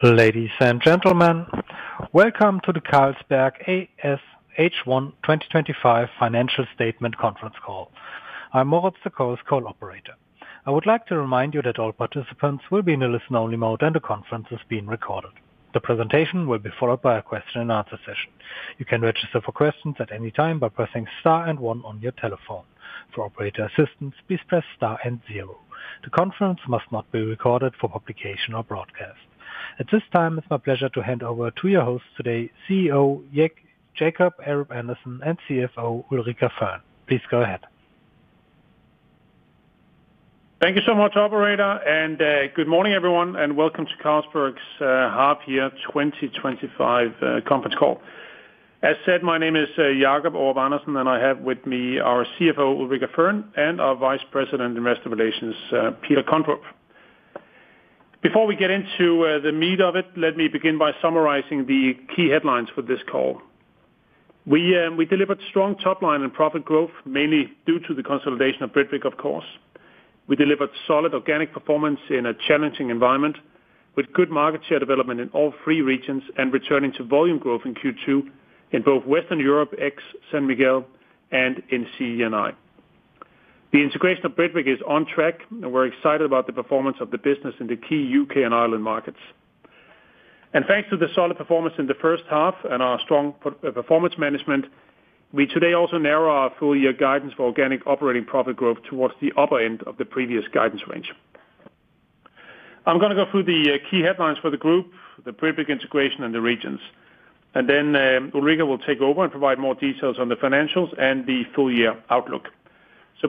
Ladies and gentlemen, welcome to the Carlsberg Group H1 2025 financial statement conference call. I'm Moritz, the call's operator. I would like to remind you that all participants will be in a listen-only mode and the conference is being recorded. The presentation will be followed by a question and answer session. You can register for questions at any time by pressing star one on your telephone. For operator assistance, please press star zero. The conference must not be recorded for publication or broadcast. At this time, it's my pleasure to hand over to your host today, CEO Jacob Aarup-Andersen and CFO Ulrica Fearn. Please go ahead. Thank you so much, operator, and good morning everyone, and welcome to Carlsberg Group's Year 2025 conference call. As said, my name is Jacob Aarup-Andersen and I have with me our CFO, Ulrica Fearn, and our Vice President, Investor Relations, Peter Kondrup. Before we get into the meat of it, let me begin by summarizing the key headlines for this call. We delivered strong top line and profit growth, mainly due to the consolidation of Britvic, of course. We delivered solid organic performance in a challenging environment, with good market share development in all three regions and returning to volume growth in Q2 in both Western Europe, ex-San Miguel, and in CENI. The integration of Britvic is on track and we're excited about the performance of the business in the key UK and Ireland markets. Thanks to the solid performance in the first half and our strong performance management, we today also narrow our full year guidance for organic operating profit growth towards the upper end of the previous guidance range. I'm going to go through the key headlines for the group, the Britvic integration and the regions, and then Ulrica will take over and provide more details on the financials and the full year outlook.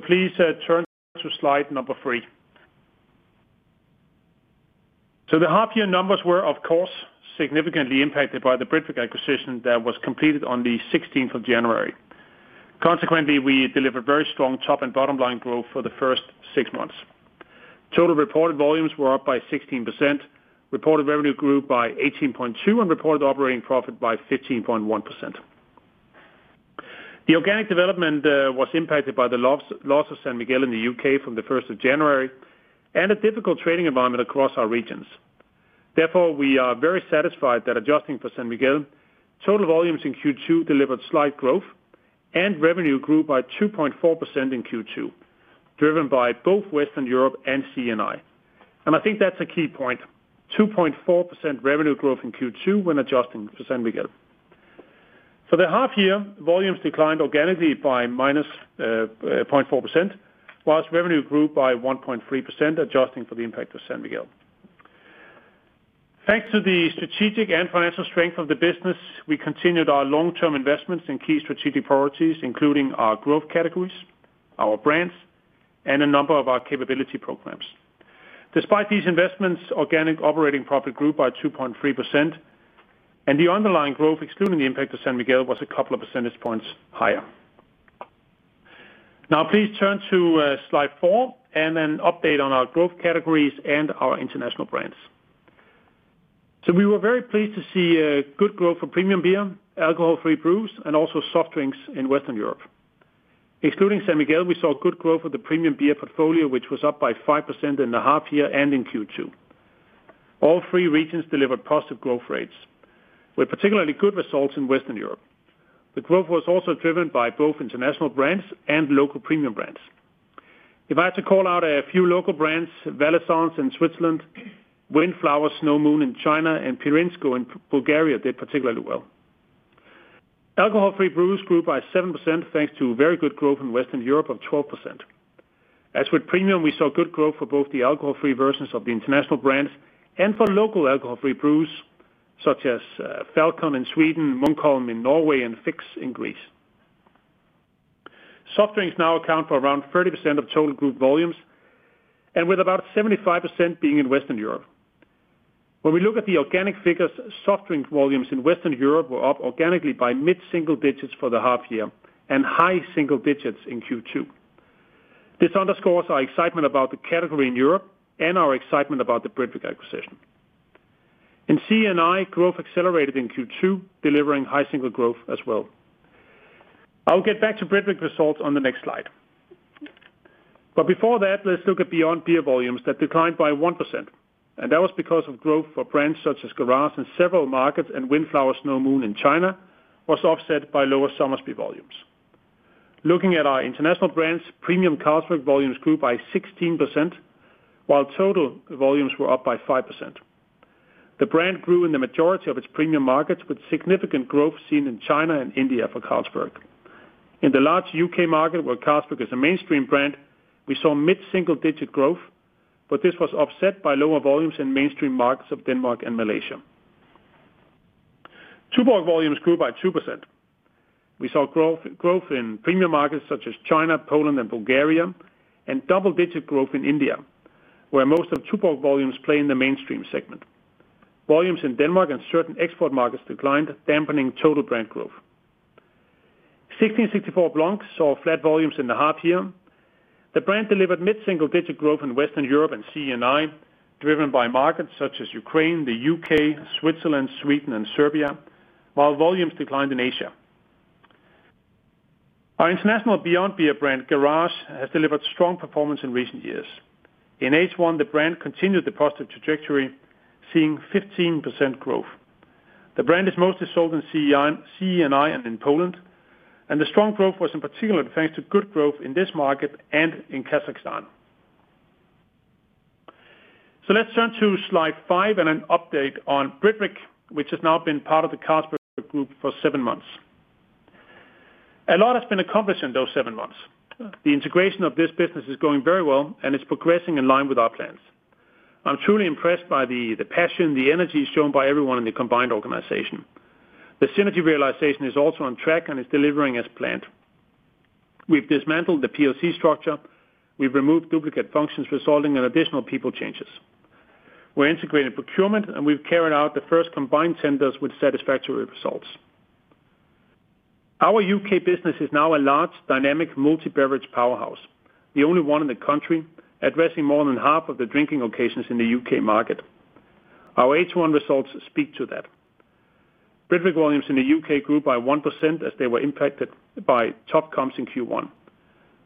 Please turn to slide number three. The half-year numbers were, of course, significantly impacted by the Britvic acquisition that was completed on the 16th of January. Consequently, we delivered very strong top and bottom line growth for the first six months. Total reported volumes were up by 16%, reported revenue grew by 18.2%, and reported operating profit by 15.1%. The organic development was impacted by the loss of San Miguel in the UK from the 1st of January and a difficult trading environment across our regions. Therefore, we are very satisfied that adjusting for San Miguel, total volumes in Q2 delivered slight growth and revenue grew by 2.4% in Q2, driven by both Western Europe and CENI. I think that's a key point: 2.4% revenue growth in Q2 when adjusting for San Miguel. For the half-year, volumes declined organically by -0.4%, whilst revenue grew by 1.3% adjusting for the impact of San Miguel. Thanks to the strategic and financial strength of the business, we continued our long-term investments in key strategic priorities, including our growth categories, our brands, and a number of our capability programs. Despite these investments, organic operating profit grew by 2.3% and the underlying growth, excluding the impact of San Miguel, was a couple of percentage points higher. Now please turn to slide four and an update on our growth categories and our international brands. We were very pleased to see good growth for premium beer, alcohol-free brews, and also soft drinks in Western Europe. Excluding San Miguel, we saw good growth for the premium beer portfolio, which was up by 5% in the half year and in Q2. All three regions delivered positive growth rates, with particularly good results in Western Europe. The growth was also driven by both international brands and local premium brands. If I had to call out a few local brands, Valaisons in Switzerland, Windflowers Snow Moon in China, and Pirinsko in Bulgaria did particularly well. Alcohol-free brews grew by 7% thanks to very good growth in Western Europe of 12%. As with premium, we saw good growth for both the alcohol-free versions of the international brands and for local alcohol-free brews, such as Falcon in Sweden, Munkholm in Norway, and Fix in Greece. Soft drinks now account for around 30% of total group volumes, with about 75% being in Western Europe. When we look at the organic figures, soft drink volumes in Western Europe were up organically by mid-single digits for the half year and high single digits in Q2. This underscores our excitement about the category in Europe and our excitement about the Britvic acquisition. In CENI, growth accelerated in Q2, delivering high single digit growth as well. I'll get back to Britvic results on the next slide. Before that, let's look at beyond beer volumes that declined by 1%, and that was because growth for brands such as Garage in several markets and Windflowers Snow Moon in China was offset by lower Somersby cider volumes. Looking at our international brands, premium Carlsberg volumes grew by 16%, while total volumes were up by 5%. The brand grew in the majority of its premium markets, with significant growth seen in China and India for Carlsberg. In the large UK market, where Carlsberg is a mainstream brand, we saw mid-single digit growth, but this was offset by lower volumes in mainstream markets of Denmark and Malaysia. Tuborg volumes grew by 2%. We saw growth in premium markets such as China, Poland, and Bulgaria, and double-digit growth in India, where most of Tuborg volumes play in the mainstream segment. Volumes in Denmark and certain export markets declined, dampening total brand growth. 1664 Blanc saw flat volumes in the half year. The brand delivered mid-single digit growth in Western Europe and CENI, driven by markets such as Ukraine, the UK, Switzerland, Sweden, and Serbia, while volumes declined in Asia. Our international beyond beer brand, Garage, has delivered strong performance in recent years. In H1, the brand continued the positive trajectory, seeing 15% growth. The brand is mostly sold in CENI and in Poland, and the strong growth was in particular thanks to good growth in this market and in Kazakhstan. Let's turn to slide five and an update on Britvic, which has now been part of the Carlsberg Group for seven months. A lot has been accomplished in those seven months. The integration of this business is going very well, and it's progressing in line with our plans. I'm truly impressed by the passion, the energy shown by everyone in the combined organization. The synergy realization is also on track and is delivering as planned. We've dismantled the POC structure. We've removed duplicate functions, resulting in additional people changes. We're integrating procurement, and we've carried out the first combined tenders with satisfactory results. Our UK business is now a large, dynamic, multi-beverage powerhouse, the only one in the country addressing more than half of the drinking occasions in the UK market. Our H1 results speak to that. Britvic volumes in the UK grew by 1% as they were impacted by tough comps in Q1.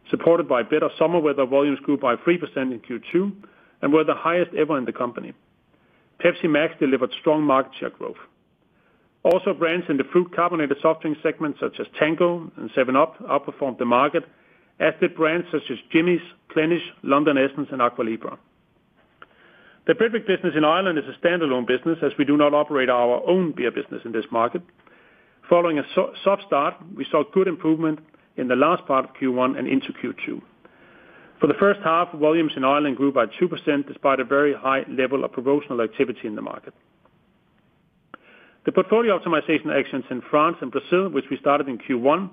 Supported by better summer weather, volumes grew by 3% in Q2 and were the highest ever in the company. Pepsi Max delivered strong market share growth. Also, brands in the fruit carbonated soft drink segment, such as Tango and 7UP, outperformed the market, as did brands such as Jimmy's, Kleinisch, London Essence, and Aqua Libra. The Britvic business in Ireland is a standalone business, as we do not operate our own beer business in this market. Following a soft start, we saw good improvement in the last part of Q1 and into Q2. For the first half, volumes in Ireland grew by 2% despite a very high level of promotional activity in the market. The portfolio optimization actions in France and Brazil, which we started in Q1,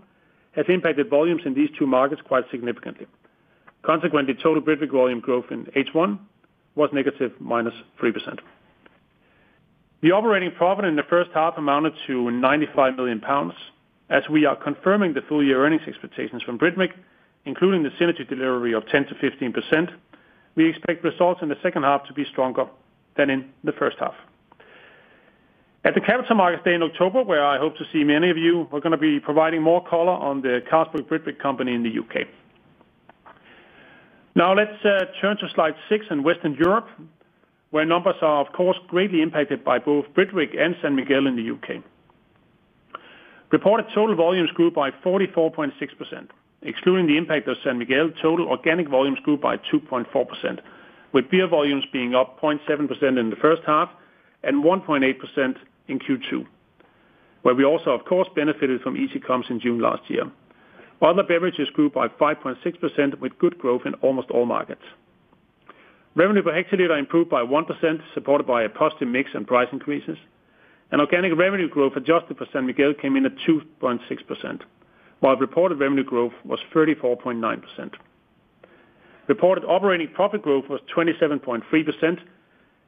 have impacted volumes in these two markets quite significantly. Consequently, total Britvic volume growth in H1 was negative -3%. The operating profit in the first half amounted to 95 million pounds. As we are confirming the full year earnings expectations from Britvic, including the synergy delivery of 10% to 15%, we expect results in the second half to be stronger than in the first half. At the Capital Markets Day in October, where I hope to see many of you, we're going to be providing more color on the Carlsberg Britvic company in the UK. Now let's turn to slide six in Western Europe, where numbers are, of course, greatly impacted by both Britvic and San Miguel in the UK. Reported total volumes grew by 44.6%. Excluding the impact of San Miguel, total organic volumes grew by 2.4%, with beer volumes being up 0.7% in the first half and 1.8% in Q2, where we also, of course, benefited from easy comps in June last year. Other beverages grew by 5.6%, with good growth in almost all markets. Revenue per hectolitre improved by 1%, supported by a positive mix and price increases. Organic revenue growth adjusted for San Miguel came in at 2.6%, while reported revenue growth was 34.9%. Reported operating profit growth was 27.3%,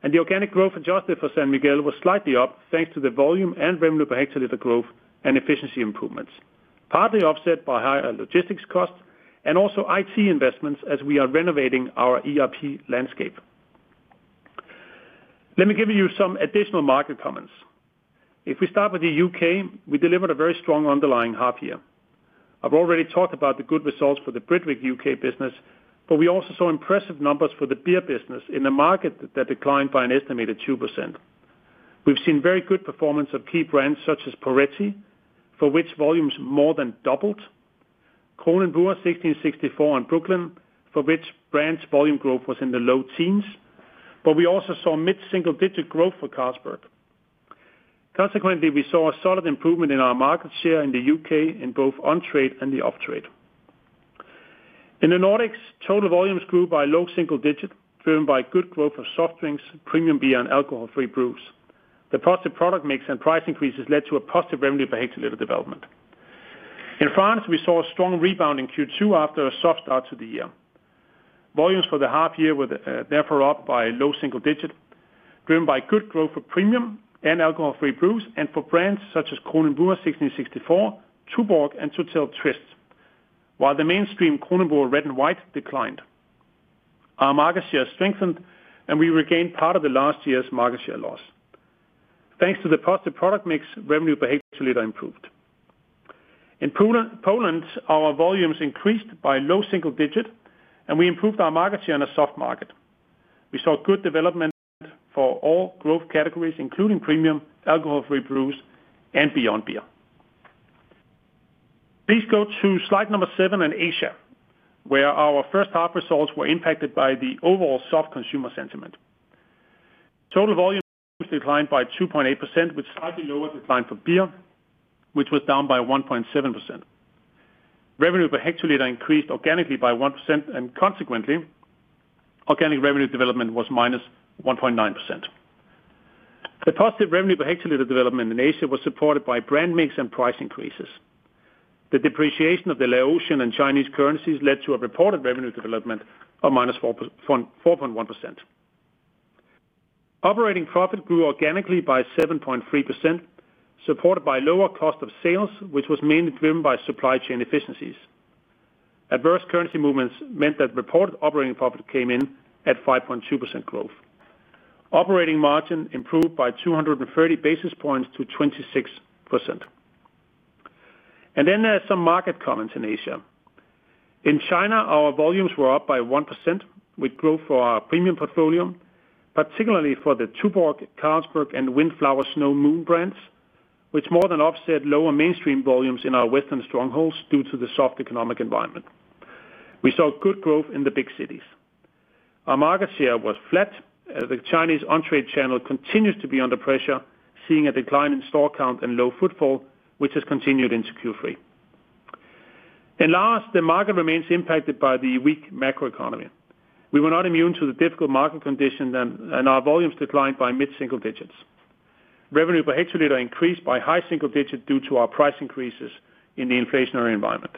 and the organic growth adjusted for San Miguel was slightly up thanks to the volume and revenue per hectolitre growth and efficiency improvements, partly offset by higher logistics costs and also IT investments as we are renovating our ERP landscape. Let me give you some additional market comments. If we start with the UK, we delivered a very strong underlying half year. I've already talked about the good results for the Britvic UK business, but we also saw impressive numbers for the beer business in a market that declined by an estimated 2%. We've seen very good performance of key brands such as Poretti, for which volumes more than doubled, Kronenbourg 1664 and Brooklyn, for which brand's volume growth was in the low teens, but we also saw mid-single digit growth for Carlsberg. Consequently, we saw a solid improvement in our market share in the UK in both on-trade and the off-trade. In the Nordics, total volumes grew by low single digit, driven by good growth for soft drinks, premium beer, and alcohol-free brews. The positive product mix and price increases led to a positive revenue per hectolitre development. In France, we saw a strong rebound in Q2 after a soft start to the year. Volumes for the half year were therefore up by a low single digit, driven by good growth for premium and alcohol-free brews and for brands such as Kronenbourg 1664, Tuborg, and Totale Twist, while the mainstream Kronenbourg red and white declined. Our market share strengthened, and we regained part of last year's market share loss. Thanks to the positive product mix, revenue per hectolitre improved. In Poland, our volumes increased by a low single digit, and we improved our market share in a soft market. We saw good development for all growth categories, including premium, alcohol-free brews, and beyond beer. Please go to slide number seven. In Asia, our first half results were impacted by the overall soft consumer sentiment. Total volumes declined by 2.8%, with a slightly lower decline for beer, which was down by 1.7%. Revenue per hectolitre increased organically by 1%, and consequently, organic revenue development was minus 1.9%. The positive revenue per hectolitre development in Asia was supported by brand mix and price increases. The depreciation of the Laotian and Chinese currencies led to a reported revenue development of minus 4.1%. Operating profit grew organically by 7.3%, supported by lower cost of sales, which was mainly driven by supply chain efficiencies. Adverse currency movements meant that reported operating profit came in at 5.2% growth. Operating margin improved by 230 basis points to 26%. Some market comments in Asia: In China, our volumes were up by 1% with growth for our premium portfolio, particularly for the Tuborg, Carlsberg, and Windflower Snow Moon brands, which more than offset lower mainstream volumes in our western strongholds due to the soft economic environment. We saw good growth in the big cities. Our market share was flat. The Chinese on-trade channel continues to be under pressure, seeing a decline in stall count and low footfall, which has continued into Q3. The market remains impacted by the weak macroeconomy. We were not immune to the difficult market conditions, and our volumes declined by mid-single digits. Revenue per hectolitre increased by high single digit due to our price increases in the inflationary environment.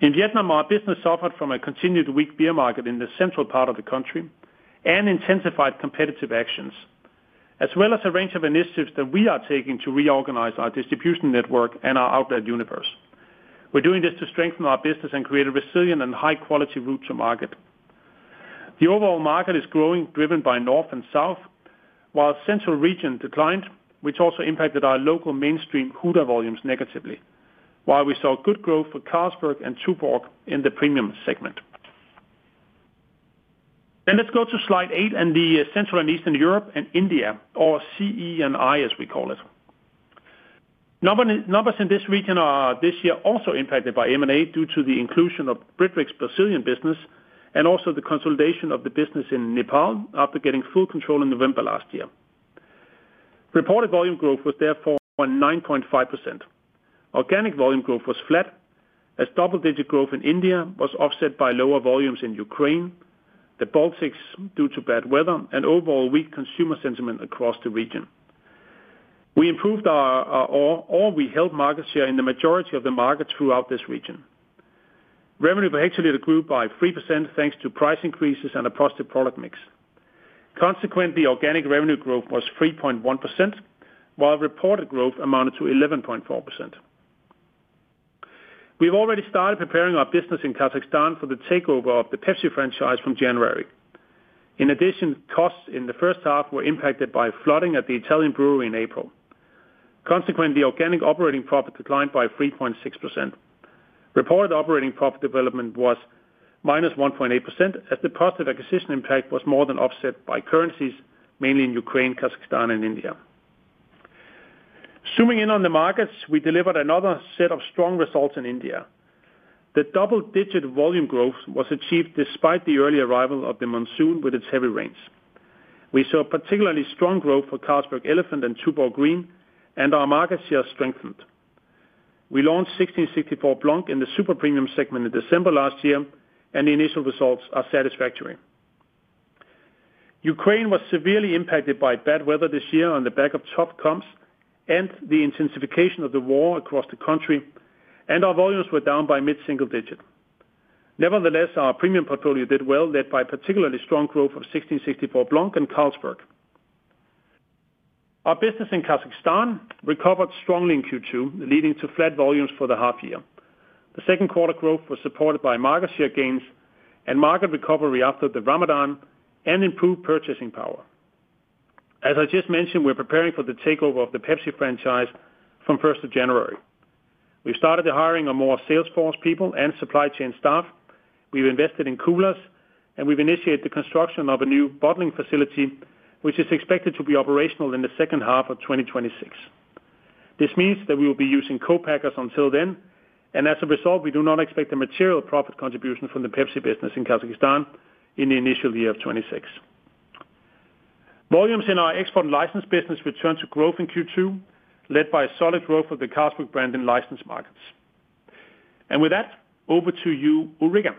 In Vietnam, our business suffered from a continued weak beer market in the central part of the country and intensified competitive actions, as well as a range of initiatives that we are taking to reorganize our distribution network and our outlet universe. We're doing this to strengthen our business and create a resilient and high-quality route to market. The overall market is growing, driven by north and south, while the central region declined, which also impacted our local mainstream Huda volumes negatively, while we saw good growth for Carlsberg and Tuborg in the premium segment. Let's go to slide eight and the Central and Eastern Europe and India, or CENI as we call it. Numbers in this region are this year also impacted by M&A due to the inclusion of Britvic's Brazilian business and also the consolidation of the business in Nepal after getting full control in November last year. Reported volume growth was therefore 9.5%. Organic volume growth was flat, as double-digit growth in India was offset by lower volumes in Ukraine, the Baltics due to bad weather, and overall weak consumer sentiment across the region. We improved or we held market share in the majority of the markets throughout this region. Revenue per hectoliter grew by 3% thanks to price increases and a positive product mix. Consequently, organic revenue growth was 3.1%, while reported growth amounted to 11.4%. We've already started preparing our business in Kazakhstan for the takeover of the PepsiCo franchise from January. In addition, costs in the first half were impacted by flooding at the Italian brewery in April. Consequently, organic operating profit declined by 3.6%. Reported operating profit development was minus 1.8%, as the positive acquisition impact was more than offset by currencies, mainly in Ukraine, Kazakhstan, and India. Zooming in on the markets, we delivered another set of strong results in India. The double-digit volume growth was achieved despite the early arrival of the monsoon with its heavy rains. We saw particularly strong growth for Carlsberg Elephant and Tuborg Green, and our market share strengthened. We launched 1664 Blanc in the super premium segment in December last year, and the initial results are satisfactory. Ukraine was severely impacted by bad weather this year on the back of tough comps and the intensification of the war across the country, and our volumes were down by mid-single digit. Nevertheless, our premium portfolio did well, led by particularly strong growth of 1664 Blanc and Carlsberg. Our business in Kazakhstan recovered strongly in Q2, leading to flat volumes for the half year. The second quarter growth was supported by market share gains and market recovery after Ramadan and improved purchasing power. As I just mentioned, we're preparing for the takeover of the PepsiCo franchise from 1st ofJanuary. We've started the hiring of more Salesforce people and supply chain staff. We've invested in coolers, and we've initiated the construction of a new bottling facility, which is expected to be operational in the second half of 2026. This means that we will be using co-packers until then, and as a result, we do not expect a material profit contribution from the PepsiCo business in Kazakhstan in the initial year of 2026. Volumes in our export and license business returned to growth in Q2, led by a solid growth of the Carlsberg brand in license markets. With that, over to you, Ulrica.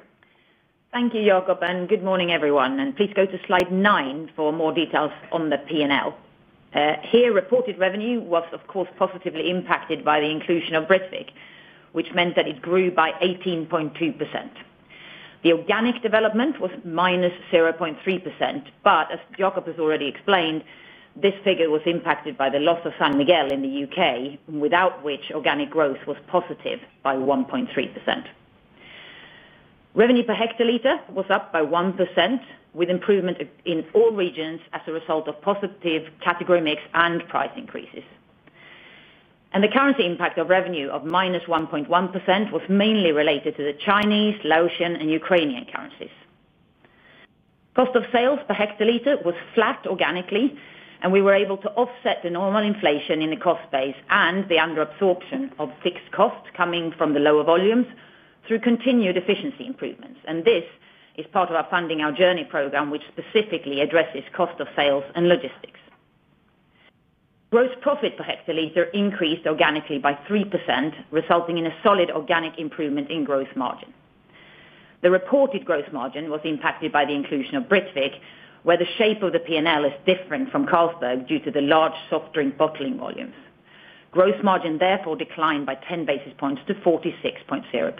Thank you, Jacob, and good morning everyone. Please go to slide nine for more details on the P&L. Here, reported revenue was, of course, positively impacted by the inclusion of Britvic, which meant that it grew by 18.2%. The organic development was minus 0.3%, but as Jacob has already explained, this figure was impacted by the loss of San Miguel in the UK, without which organic growth was positive by 1.3%. Revenue per hectolitre was up by 1%, with improvement in all regions as a result of positive category mix and price increases. The currency impact of revenue of -1.1% was mainly related to the Chinese, Laotian, and Ukrainian currencies. Cost of sales per hectolitre was flat organically, and we were able to offset the normal inflation in the cost base and the under-absorption of fixed costs coming from the lower volumes through continued efficiency improvements. This is part of our Funding Our Journey program, which specifically addresses cost of sales and logistics. Gross profit per hectolitre increased organically by 3%, resulting in a solid organic improvement in gross margin. The reported gross margin was impacted by the inclusion of Britvic, where the shape of the P&L is different from Carlsberg due to the large soft drink bottling volumes. Gross margin therefore declined by 10 basis points to 46.0%.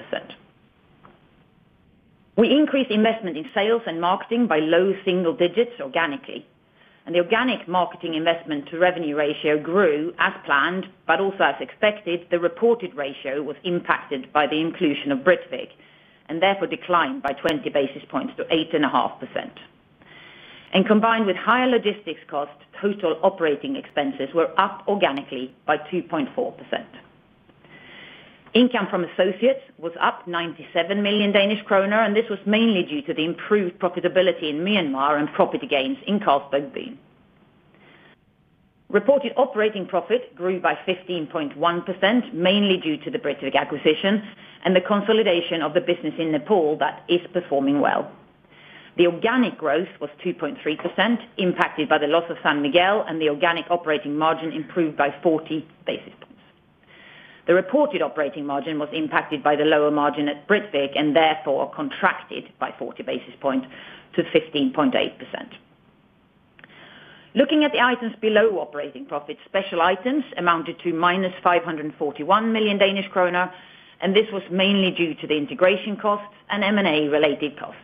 We increased investment in sales and marketing by low single digits organically, and the organic marketing investment-to-revenue ratio grew as planned, but also as expected, the reported ratio was impacted by the inclusion of Britvic and therefore declined by 20 basis points to 8.5%. Combined with higher logistics costs, total operating expenses were up organically by 2.4%. Income from associates was up 97 million Danish kroner, and this was mainly due to the improved profitability in Myanmar and property gains in Carlsberg Vietnam. Reported operating profit grew by 15.1%, mainly due to the Britvic acquisition and the consolidation of the business in Nepal that is performing well. The organic growth was 2.3%, impacted by the loss of San Miguel, and the organic operating margin improved by 40 basis points. The reported operating margin was impacted by the lower margin at Britvic and therefore contracted by 40 basis points to 15.8%. Looking at the items below operating profit, special items amounted to -541 million Danish kroner, and this was mainly due to the integration costs and M&A related costs.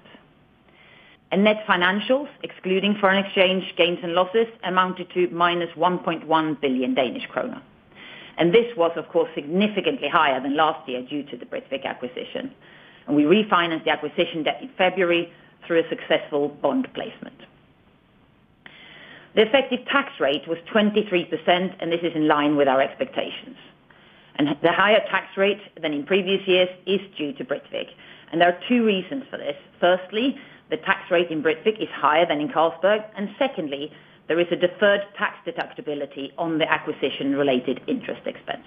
Net financials, excluding foreign exchange gains and losses, amounted to -1.1 billion Danish kroner. This was, of course, significantly higher than last year due to the Britvic acquisition. We refinanced the acquisition debt in February through a successful bond placement. The effective tax rate was 23%, and this is in line with our expectations. The higher tax rate than in previous years is due to Britvic. There are two reasons for this. Firstly, the tax rate in Britvic is higher than in Carlsberg, and secondly, there is a deferred tax deductibility on the acquisition-related interest expense.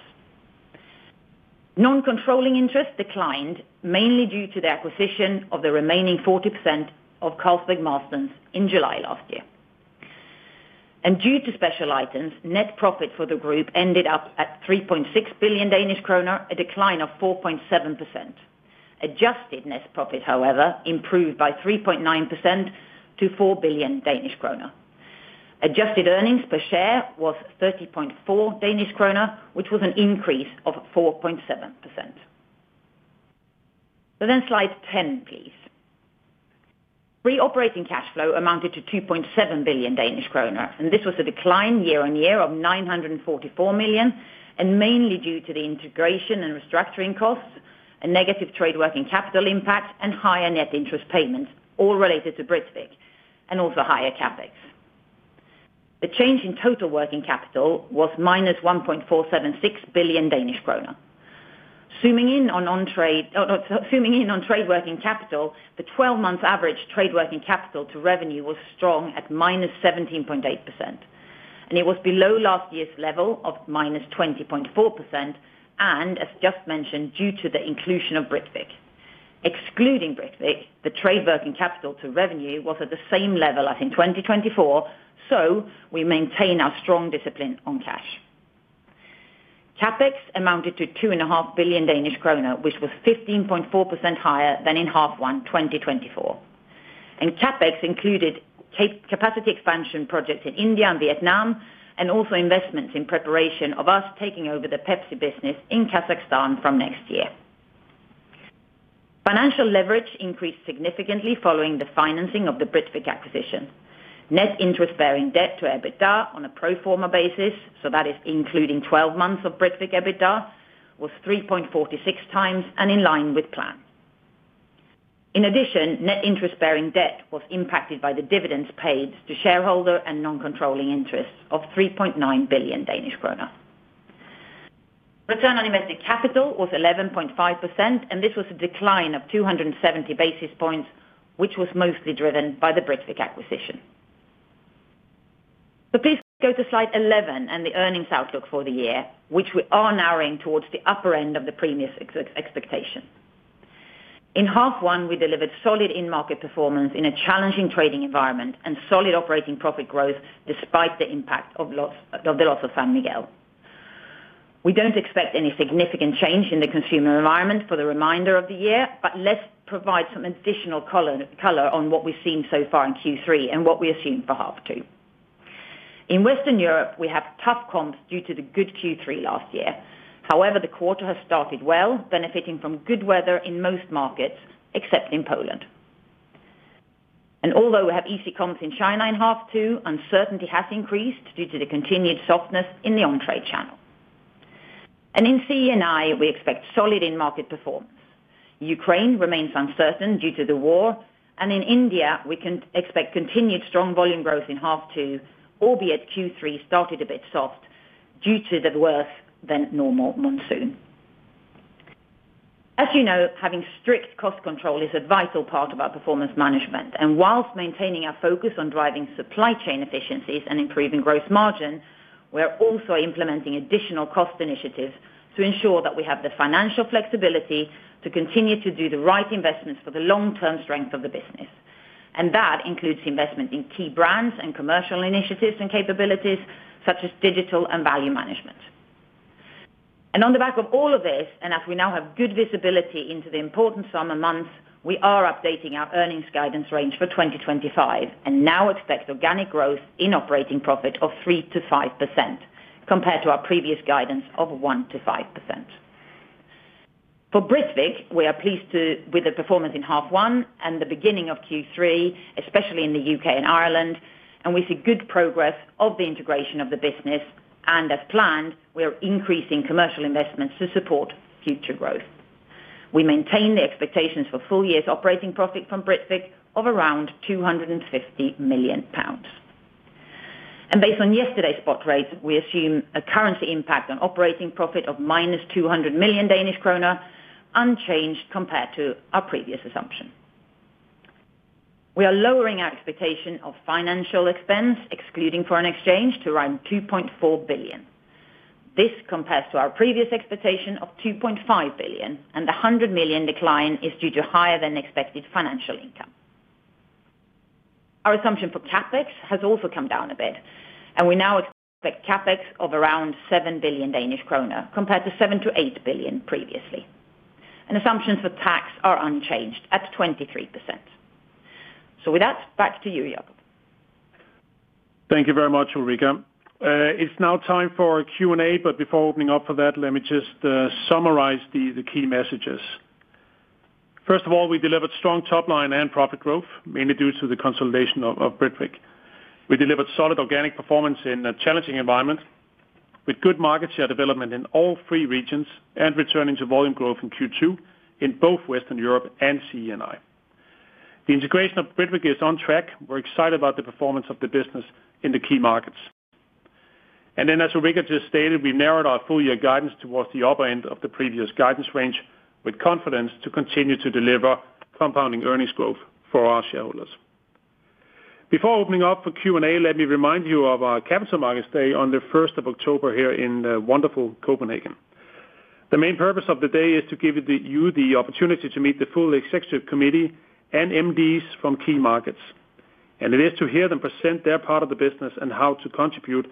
Non-controlling interest declined mainly due to the acquisition of the remaining 40% of Carlsberg Marston's in July last year. Due to special items, net profit for the group ended up at 3.6 billion Danish kroner, a decline of 4.7%. Adjusted net profit, however, improved by 3.9% to 4 billion Danish kroner. Adjusted earnings per share was 30.4 Danish kroner, which was an increase of 4.7%. Slide 10, please. Free operating cash flow amounted to 2.7 billion Danish kroner, and this was a decline year on year of 944 million, mainly due to the integration and restructuring costs, a negative trade working capital impact, and higher net interest payments, all related to Britvic, and also higher capex. The change in total working capital was -1.476 billion Danish kroner. Zooming in on trade working capital, the 12-month average trade working capital to revenue was strong at -17.8%, and it was below last year's level of -20.4%, as just mentioned, due to the inclusion of Britvic. Excluding Britvic, the trade working capital to revenue was at the same level as in 2024, so we maintain our strong discipline on cash. CapEx amounted to 2.5 billion Danish kroner, which was 15.4% higher than in H1 2024. Capex included capacity expansion projects in India and Vietnam, and also investments in preparation of us taking over the PepsiCo business in Kazakhstan from next year. Financial leverage increased significantly following the financing of the Britvic acquisition. Net interest-bearing debt to EBITDA on a pro forma basis, so that is including 12 months of Britvic EBITDA, was 3.46 times and in line with plan. In addition, net interest-bearing debt was impacted by the dividends paid to shareholder and non-controlling interests of 3.9 billion Danish kroner. Return on invested capital was 11.5%, and this was a decline of 270 basis points, which was mostly driven by the Britvic acquisition. Please go to slide 11 and the earnings outlook for the year, which we are narrowing towards the upper end of the previous expectation. In half one, we delivered solid in-market performance in a challenging trading environment and solid operating profit growth despite the impact of the loss of San Miguel. We don't expect any significant change in the consumer environment for the remainder of the year. Let's provide some additional color on what we've seen so far in Q3 and what we assume for half two. In Western Europe, we have tough comps due to the good Q3 last year. However, the quarter has started well, benefiting from good weather in most markets, except in Poland. Although we have easy comps in China in half two, uncertainty has increased due to the continued softness in the on-trade channel. In CENI, we expect solid in-market performance. Ukraine remains uncertain due to the war, and in India, we can expect continued strong volume growth in half two, albeit Q3 started a bit soft due to the worse than normal monsoon. As you know, having strict cost control is a vital part of our performance management, and whilst maintaining our focus on driving supply chain efficiencies and improving gross margin, we're also implementing additional cost initiatives to ensure that we have the financial flexibility to continue to do the right investments for the long-term strength of the business. That includes investment in key brands and commercial initiatives and capabilities, such as digital and value management. On the back of all of this, and as we now have good visibility into the important summer months, we are updating our earnings guidance range for 2025 and now expect organic growth in operating profit of 3%-5% compared to our previous guidance of 1%-5%. For Britvic, we are pleased with the performance in half one and the beginning of Q3, especially in the UK and Ireland, and we see good progress of the integration of the business. As planned, we are increasing commercial investments to support future growth. We maintain the expectations for full year's operating profit from Britvic of around 250 million pounds. Based on yesterday's spot rates, we assume a currency impact on operating profit of -200 million Danish kroner, unchanged compared to our previous assumption. We are lowering our expectation of financial expense, excluding foreign exchange, to around 2.4 billion. This compares to our previous expectation of 2.5 billion, and the 0.1 billion decline is due to higher than expected financial income. Our assumption for CapEx has also come down a bit, and we now expect CapEx of around 7 billion Danish kroner compared to 7 billion-8 billion previously. Assumptions for tax are unchanged at 23%. With that, back to you, Jacob. Thank you very much, Ulrica. It's now time for Q&A, but before opening up for that, let me just summarize the key messages. First of all, we delivered strong top line and profit growth, mainly due to the consolidation of Britvic. We delivered solid organic performance in a challenging environment, with good market share development in all three regions and returning to volume growth in Q2 in both Western Europe and CENI. The integration of Britvic is on track. We're excited about the performance of the business in the key markets. As Ulrica just stated, we've narrowed our full year guidance towards the upper end of the previous guidance range with confidence to continue to deliver compounding earnings growth for our shareholders. Before opening up for Q&A, let me remind you of our Capital Markets Day on the 1st of October here in wonderful Copenhagen. The main purpose of the day is to give you the opportunity to meet the full Executive Committee and MDs from key markets, and it is to hear them present their part of the business and how to contribute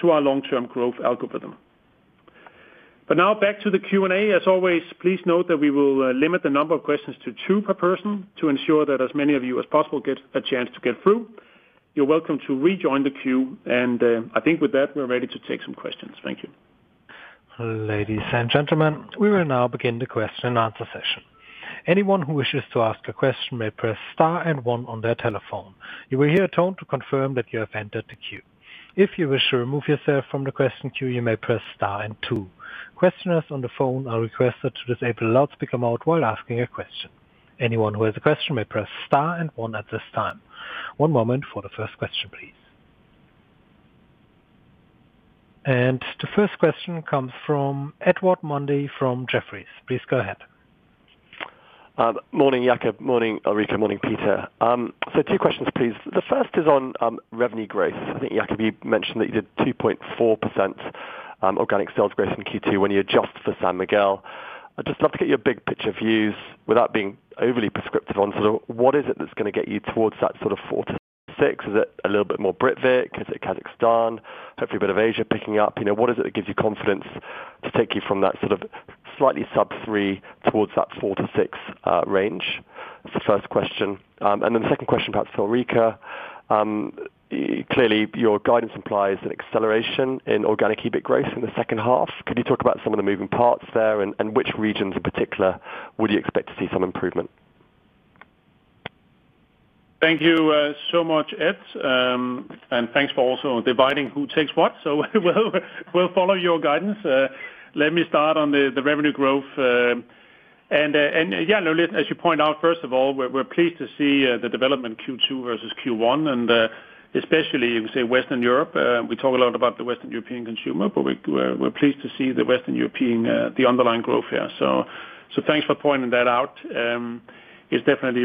to our long-term growth algorithm. Now back to the Q&A. As always, please note that we will limit the number of questions to two per person to ensure that as many of you as possible get a chance to get through. You're welcome to rejoin the queue, and I think with that, we're ready to take some questions. Thank you. Ladies and gentlemen, we will now begin the question and answer session. Anyone who wishes to ask a question may press star and one on their telephone. You will hear a tone to confirm that you have entered the queue. If you wish to remove yourself from the question queue, you may press star and two. Questioners on the phone are requested to disable the loudspeaker mode while asking a question. Anyone who has a question may press star and one at this time. One moment for the first question, please. The first question comes from Edward Mundy from Jefferies. Please go ahead. Morning, Jacob. Morning, Ulrica. Morning, Peter. Two questions, please. The first is on revenue growth. I think, Jacob, you mentioned that you did 2.4% organic sales growth in Q2 when you adjust for San Miguel. I'd just love to get your big picture views without being overly prescriptive on what is it that's going to get you towards that four to six. Is it a little bit more Britvic? Is it Kazakhstan? Hopefully, a bit of Asia picking up. What is it that gives you confidence to take you from that slightly sub three towards that four to six range? That's the first question. The second question, perhaps for Ulrica. Clearly, your guidance implies an acceleration in organic EBIT growth in the second half. Could you talk about some of the moving parts there and which regions in particular would you expect to see some improvement? Thank you so much, Ed. Thank you for also dividing who takes what. We will follow your guidance. Let me start on the revenue growth. As you point out, first of all, we are pleased to see the development Q2 versus Q1, especially in Western Europe. We talk a lot about the Western European consumer, but we are pleased to see the Western European, the underlying growth here. Thank you for pointing that out. It is definitely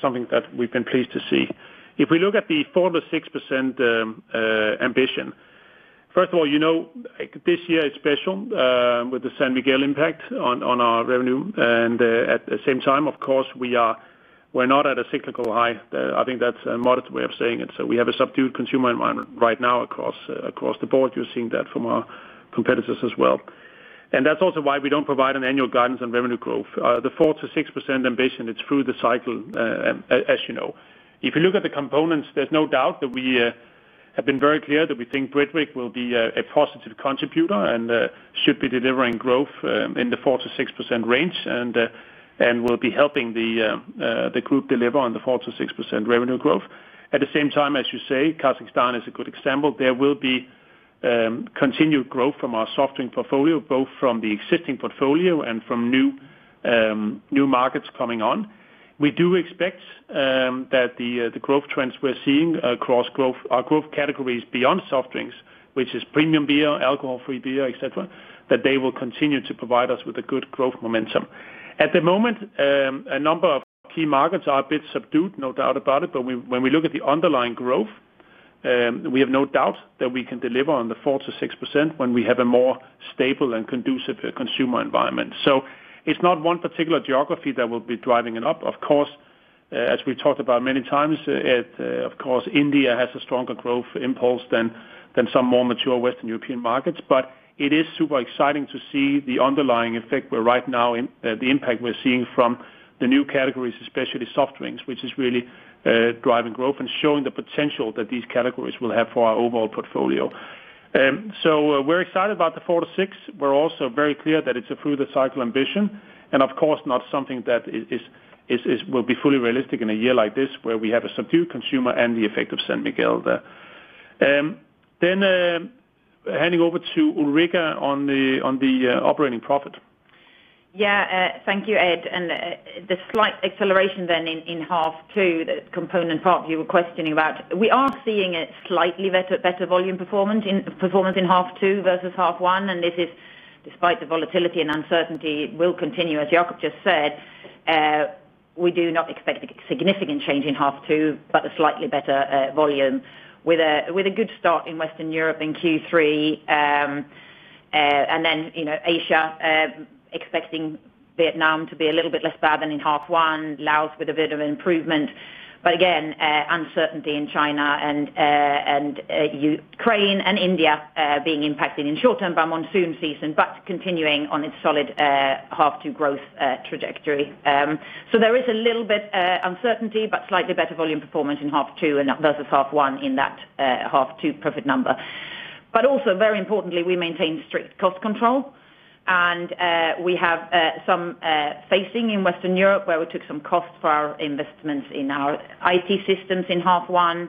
something that we have been pleased to see. If we look at the 4%-6% ambition, first of all, this year it is special with the San Miguel impact on our revenue. At the same time, of course, we are not at a cyclical high. I think that is a modest way of saying it. We have a subdued consumer environment right now across the board. You are seeing that from our competitors as well. That is also why we do not provide an annual guidance on revenue growth. The 4%-6% ambition is through the cycle, as you know. If you look at the components, there is no doubt that we have been very clear that we think Britvic will be a positive contributor and should be delivering growth in the 4%-6% range and will be helping the group deliver on the 4%-6% revenue growth. At the same time, as you say, Kazakhstan is a good example. There will be continued growth from our soft drink portfolio, both from the existing portfolio and from new markets coming on. We do expect that the growth trends we are seeing across our growth categories beyond soft drinks, which is premium beer, alcohol-free beer, et cetera, that they will continue to provide us with good growth momentum. At the moment, a number of key markets are a bit subdued, no doubt about it, but when we look at the underlying growth, we have no doubt that we can deliver on the 4%-6% when we have a more stable and conducive consumer environment. It is not one particular geography that will be driving it up. Of course, as we have talked about many times, India has a stronger growth impulse than some more mature Western European markets, but it is super exciting to see the underlying effect right now, the impact we are seeing from the new categories, especially soft drinks, which is really driving growth and showing the potential that these categories will have for our overall portfolio. We are excited about the 4%-6%. We are also very clear that it is a through-the-cycle ambition and, of course, not something that will be fully realistic in a year like this where we have a subdued consumer and the effect of San Miguel there. Handing over to Ulrica on the operating profit. Yeah, thank you, Ed. The slight acceleration then in half two, that component part you were questioning about, we are seeing a slightly better volume performance in half two versus half one. This is despite the volatility and uncertainty will continue, as Jacob just said. We do not expect a significant change in half two, but a slightly better volume with a good start in Western Europe in Q3. You know, Asia, expecting Vietnam to be a little bit less bad than in half one, Laos with a bit of an improvement. Again, uncertainty in China and Ukraine and India being impacted in short term by monsoon season, but continuing on its solid half two growth trajectory. There is a little bit uncertainty, but slightly better volume performance in half two versus half one in that half two profit number. Also, very importantly, we maintain strict cost control. We have some facing in Western Europe where we took some costs for our investments in our IT systems in half one.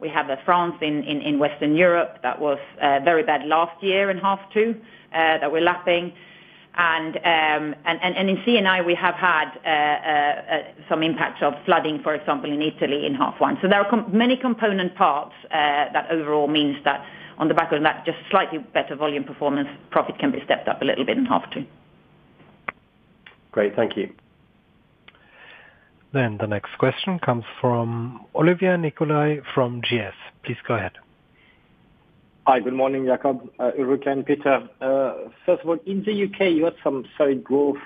We have France in Western Europe that was very bad last year in half two that we're lapping. In CENI, we have had some impacts of flooding, for example, in Italy in half one. There are many component parts that overall mean that on the back of that, just slightly better volume performance, profit can be stepped up a little bit in half two. Great, thank you. The next question comes from Olivia Nicolai from GS. Please go ahead. Hi, good morning, Jacob, Ulrika, and Peter. First of all, in the UK, you had some solid growth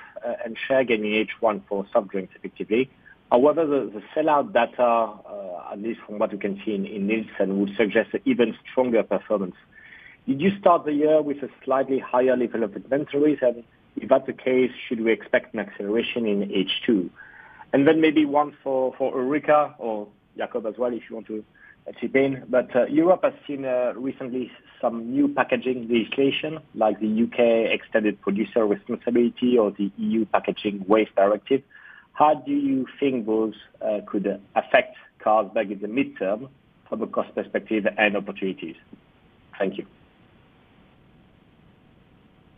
and share gain in H1 for soft drinks, effectively. However, the sell-out data, at least from what we can see in Nielsen, would suggest an even stronger performance. Did you start the year with a slightly higher level of inventories, and if that's the case, should we expect an acceleration in H2? Maybe one for Ulrica or Jacob as well if you want to chip in. Europe has seen recently some new packaging legislation like the UK extended producer responsibility or the EU packaging waste directive. How do you think those could affect Carlsberg in the mid-term from a cost perspective and opportunities? Thank you.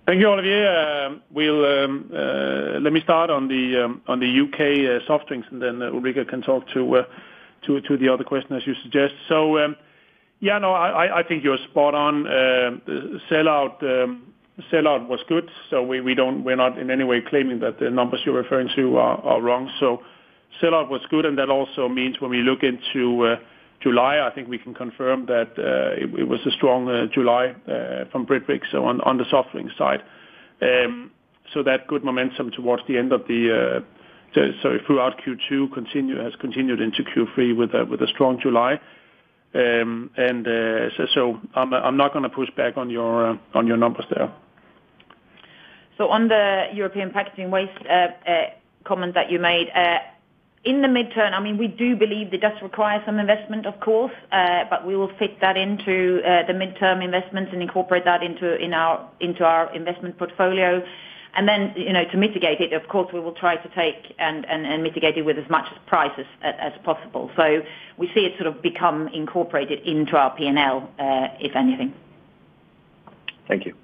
Thank you, Olivia. Let me start on the UK soft drinks, and then Ulrica can talk to the other question as you suggest. I think you're spot on. Sell-out was good. We're not in any way claiming that the numbers you're referring to are wrong. Sell-out was good, and that also means when we look into July, I think we can confirm that it was a strong July from Britvic on the soft drinks side. That good momentum throughout Q2 has continued into Q3 with a strong July. I'm not going to push back on your numbers there. On the European packaging waste comment that you made, in the mid-term, we do believe it does require some investment, of course, but we will fit that into the mid-term investments and incorporate that into our investment portfolio. To mitigate it, of course, we will try to take and mitigate it with as much as prices as possible. We see it sort of become incorporated into our P&L, if anything. Thank you.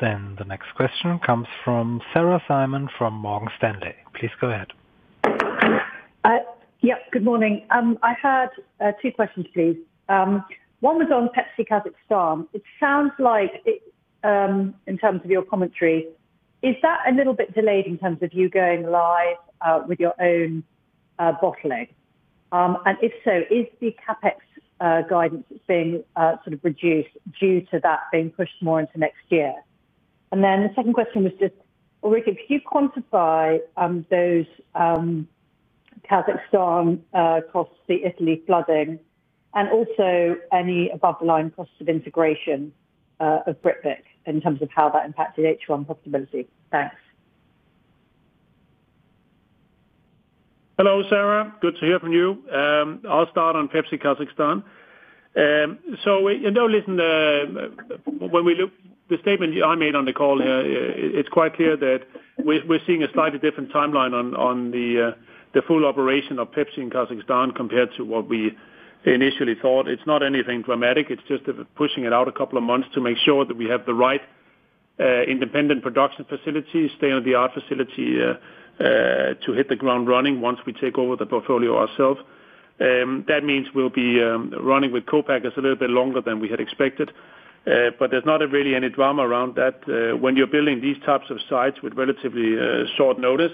The next question comes from Sarah Simon from Morgan Stanley. Please go ahead. Yeah, good morning. I had two questions, please. One was on PepsiCo Kazakhstan. It sounds like in terms of your commentary, is that a little bit delayed in terms of you going live with your own bottling? If so, is the CapEx guidance being sort of reduced due to that being pushed more into next year? The second question was just, Ulrica, could you quantify those Kazakhstan costs, the Italy flooding, and also any above-the-line cost of integration of Britvic in terms of how that impacts the H1 profitability? Thanks. Hello, Sarah. Good to hear from you. I'll start on PepsiCo Kazakhstan. When we look at the statement I made on the call here, it's quite clear that we're seeing a slightly different timeline on the full operation of PepsiCo in Kazakhstan compared to what we initially thought. It's not anything dramatic. It's just pushing it out a couple of months to make sure that we have the right independent production facilities, state-of-the-art facility to hit the ground running once we take over the portfolio ourselves. That means we'll be running with co-packers a little bit longer than we had expected. There's not really any drama around that. When you're building these types of sites with relatively short notice,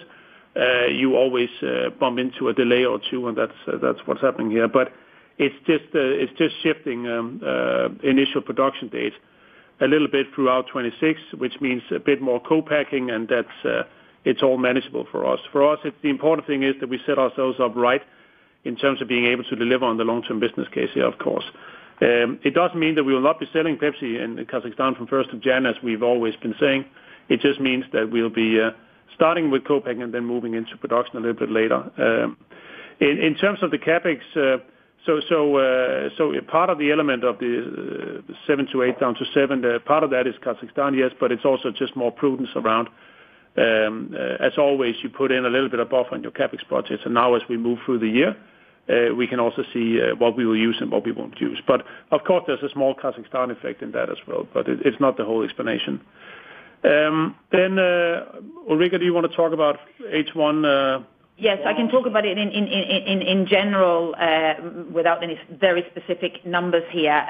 you always bump into a delay or two, and that's what's happening here. It's just shifting initial production dates a little bit throughout 2026, which means a bit more co-packing, and it's all manageable for us. For us, the important thing is that we set ourselves up right in terms of being able to deliver on the long-term business case here, of course. It doesn't mean that we will not be selling PepsiCo in Kazakhstan from 1st of January, as we've always been saying. It just means that we'll be starting with co-packing and then moving into production a little bit later. In terms of the CapEx, part of the element of the seven to eight down to seven, part of that is Kazakhstan, yes, but it's also just more prudence around. As always, you put in a little bit of buffer in your CapEx budgets. Now, as we move through the year, we can also see what we will use and what we won't use. Of course, there's a small Kazakhstan effect in that as well. It's not the whole explanation. Ulrica, do you want to talk about H1? Yes, I can talk about it in general without any very specific numbers here.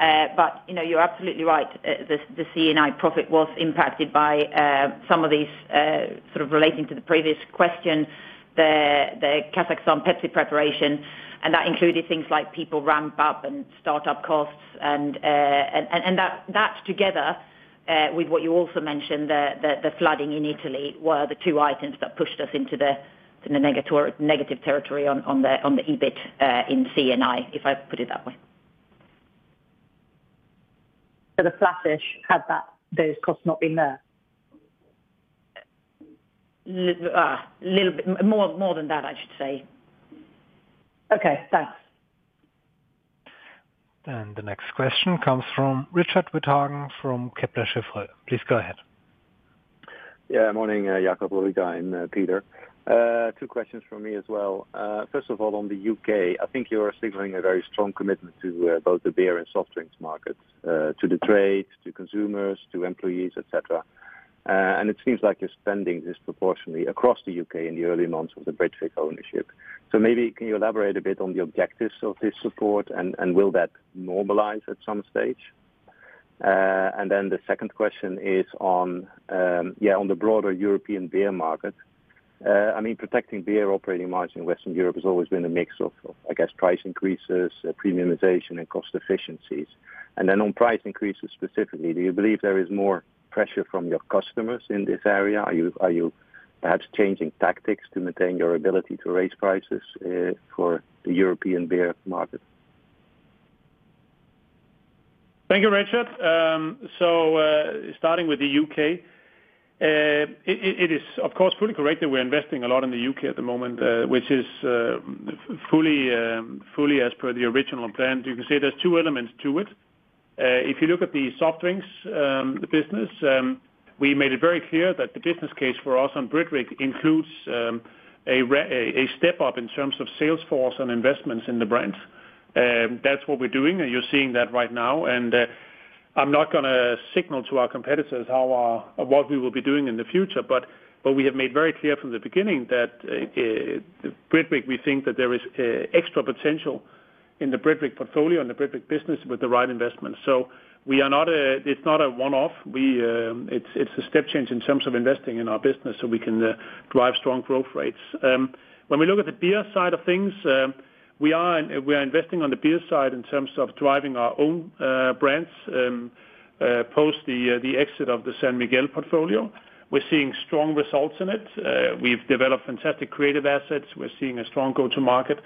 You know you're absolutely right. The CENI profit was impacted by some of these sort of relating to the previous question, the Kazakhstan PepsiCo preparation. That included things like people ramp up and startup costs. That together with what you also mentioned, the flooding in Italy, were the two items that pushed us into the negative territory on the EBIT in CENI, if I put it that way. the flatish have been there had those costs not been there? A little bit more than that, I should say. Okay, thanks. The next question comes from Richard Withagen from Kepler Cheuvreux. Please go ahead. Yeah, morning, Jacob, Ulrica, and Peter. Two questions from me as well. First of all, on the UK, I think you're signaling a very strong commitment to both the beer and soft drinks markets, to the trade, to consumers, to employees, et cetera. It seems like you're spending disproportionately across the UK in the early months of the Britvic ownership. Maybe can you elaborate a bit on the objectives of this support and will that normalize at some stage? The second question is on the broader European beer market. Protecting beer operating margins in Western Europe has always been a mix of, I guess, price increases, premiumization, and cost efficiencies. On price increases specifically, do you believe there is more pressure from your customers in this area? Are you perhaps changing tactics to maintain your ability to raise prices for the European beer market? Thank you, Richard. Starting with the UK, it is, of course, fully correct that we're investing a lot in the UK at the moment, which is fully as per the original plan. You can say there's two elements to it. If you look at the soft drinks business, we made it very clear that the business case for us on Britvic includes a step up in terms of sales force and investments in the brand. That's what we're doing, and you're seeing that right now. I'm not going to signal to our competitors what we will be doing in the future, but we have made very clear from the beginning that Britvic, we think that there is extra potential in the Britvic portfolio and the Britvic business with the right investments. It's not a one-off. It's a step change in terms of investing in our business so we can drive strong growth rates. When we look at the beer side of things, we are investing on the beer side in terms of driving our own brands post the exit of the San Miguel portfolio. We're seeing strong results in it. We've developed fantastic creative assets. We're seeing a strong go-to-market.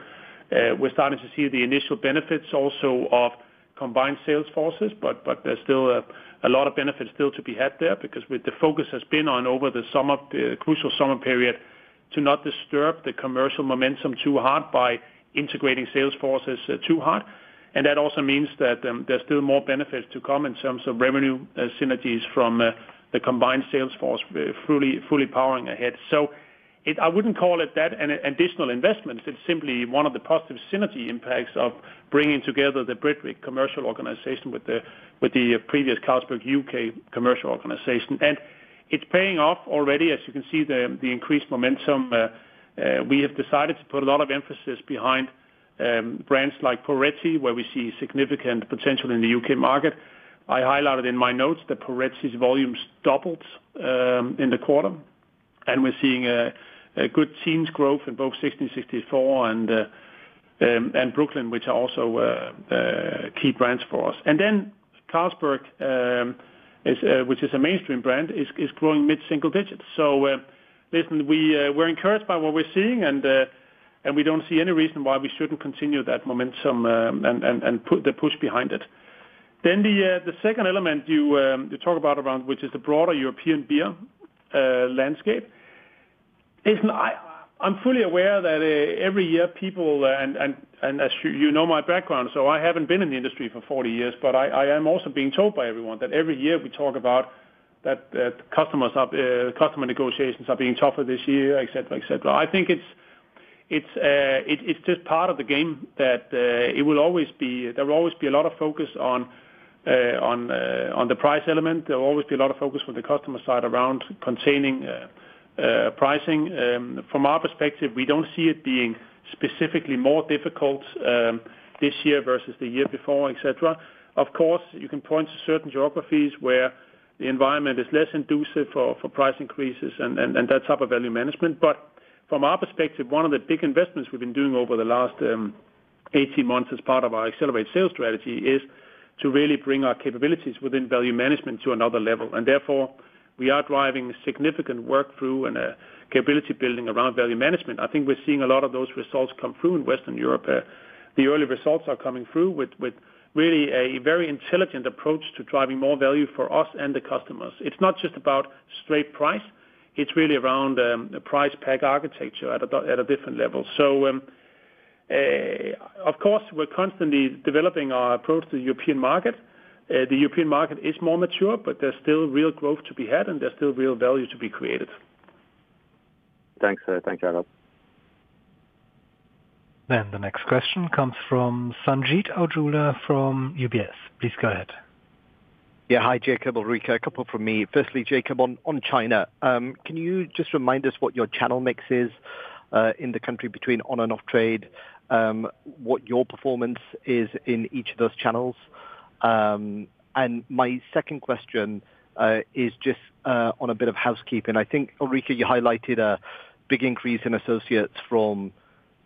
We're starting to see the initial benefits also of combined sales forces, but there's still a lot of benefits still to be had there because the focus has been over the summer, the crucial summer period, to not disturb the commercial momentum too hard by integrating sales forces too hard. That also means that there's still more benefits to come in terms of revenue synergies from the combined sales force fully powering ahead. I wouldn't call it an additional investment. It's simply one of the positive synergy impacts of bringing together the Britvic commercial organization with the previous Carlsberg UK commercial organization, and it's paying off already, as you can see, the increased momentum. We have decided to put a lot of emphasis behind brands like Poretti, where we see significant potential in the UK market. I highlighted in my notes that Poretti's volumes doubled in the quarter, and we're seeing a good teens growth in both 1664 and Brooklyn, which are also key brands for us. Carlsberg, which is a mainstream brand, is growing mid-single digit. We're encouraged by what we're seeing, and we don't see any reason why we shouldn't continue that momentum and put the push behind it. The second element you talk about, which is the broader European beer landscape, I'm fully aware that every year people, and as you know my background, so I haven't been in the industry for 40 years, but I am also being told by everyone that every year we talk about that customer negotiations are being tougher this year, etc., etc. I think it's just part of the game that it will always be, there will always be a lot of focus on the price element. There will always be a lot of focus from the customer side around containing pricing. From our perspective, we don't see it being specifically more difficult this year versus the year before, etc. Of course, you can point to certain geographies where the environment is less conducive for price increases, and that's upper value management. From our perspective, one of the big investments we've been doing over the last 18 months as part of our accelerated sales strategy is to really bring our capabilities within value management to another level. Therefore, we are driving significant work through and capability building around value management. I think we're seeing a lot of those results come through in Western Europe. The early results are coming through with really a very intelligent approach to driving more value for us and the customers. It's not just about straight price. It's really around a price pack architecture at a different level. Of course, we're constantly developing our approach to the European market. The European market is more mature, but there's still real growth to be had, and there's still real value to be created. Thanks, Jacob. The next question comes from Sanjeet Aujla from UBS. Please go ahead. Yeah, hi, Jacob, Ulrika, a couple from me. Firstly, Jacob, on China, can you just remind us what your channel mix is in the country between on and off-trade, what your performance is in each of those channels? My second question is just on a bit of housekeeping. I think, Ulrika, you highlighted a big increase in associates from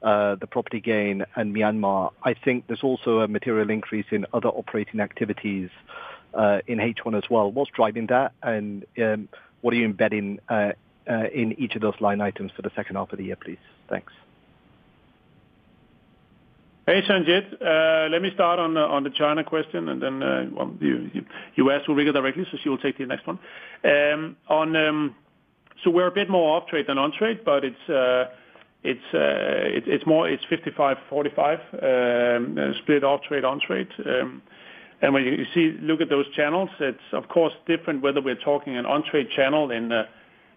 the property gain and Myanmar. I think there's also a material increase in other operating activities in H1 as well. What's driving that, and what are you embedding in each of those line items for the second half of the year, please? Thanks. Hey, Sanjeet. Let me start on the China question, and then you asked Ulrika directly, so she will take the next one. We're a bit more off-trade than on-trade, but it's more a 55-45 split off-trade on-trade. When you look at those channels, it's, of course, different whether we're talking an on-trade channel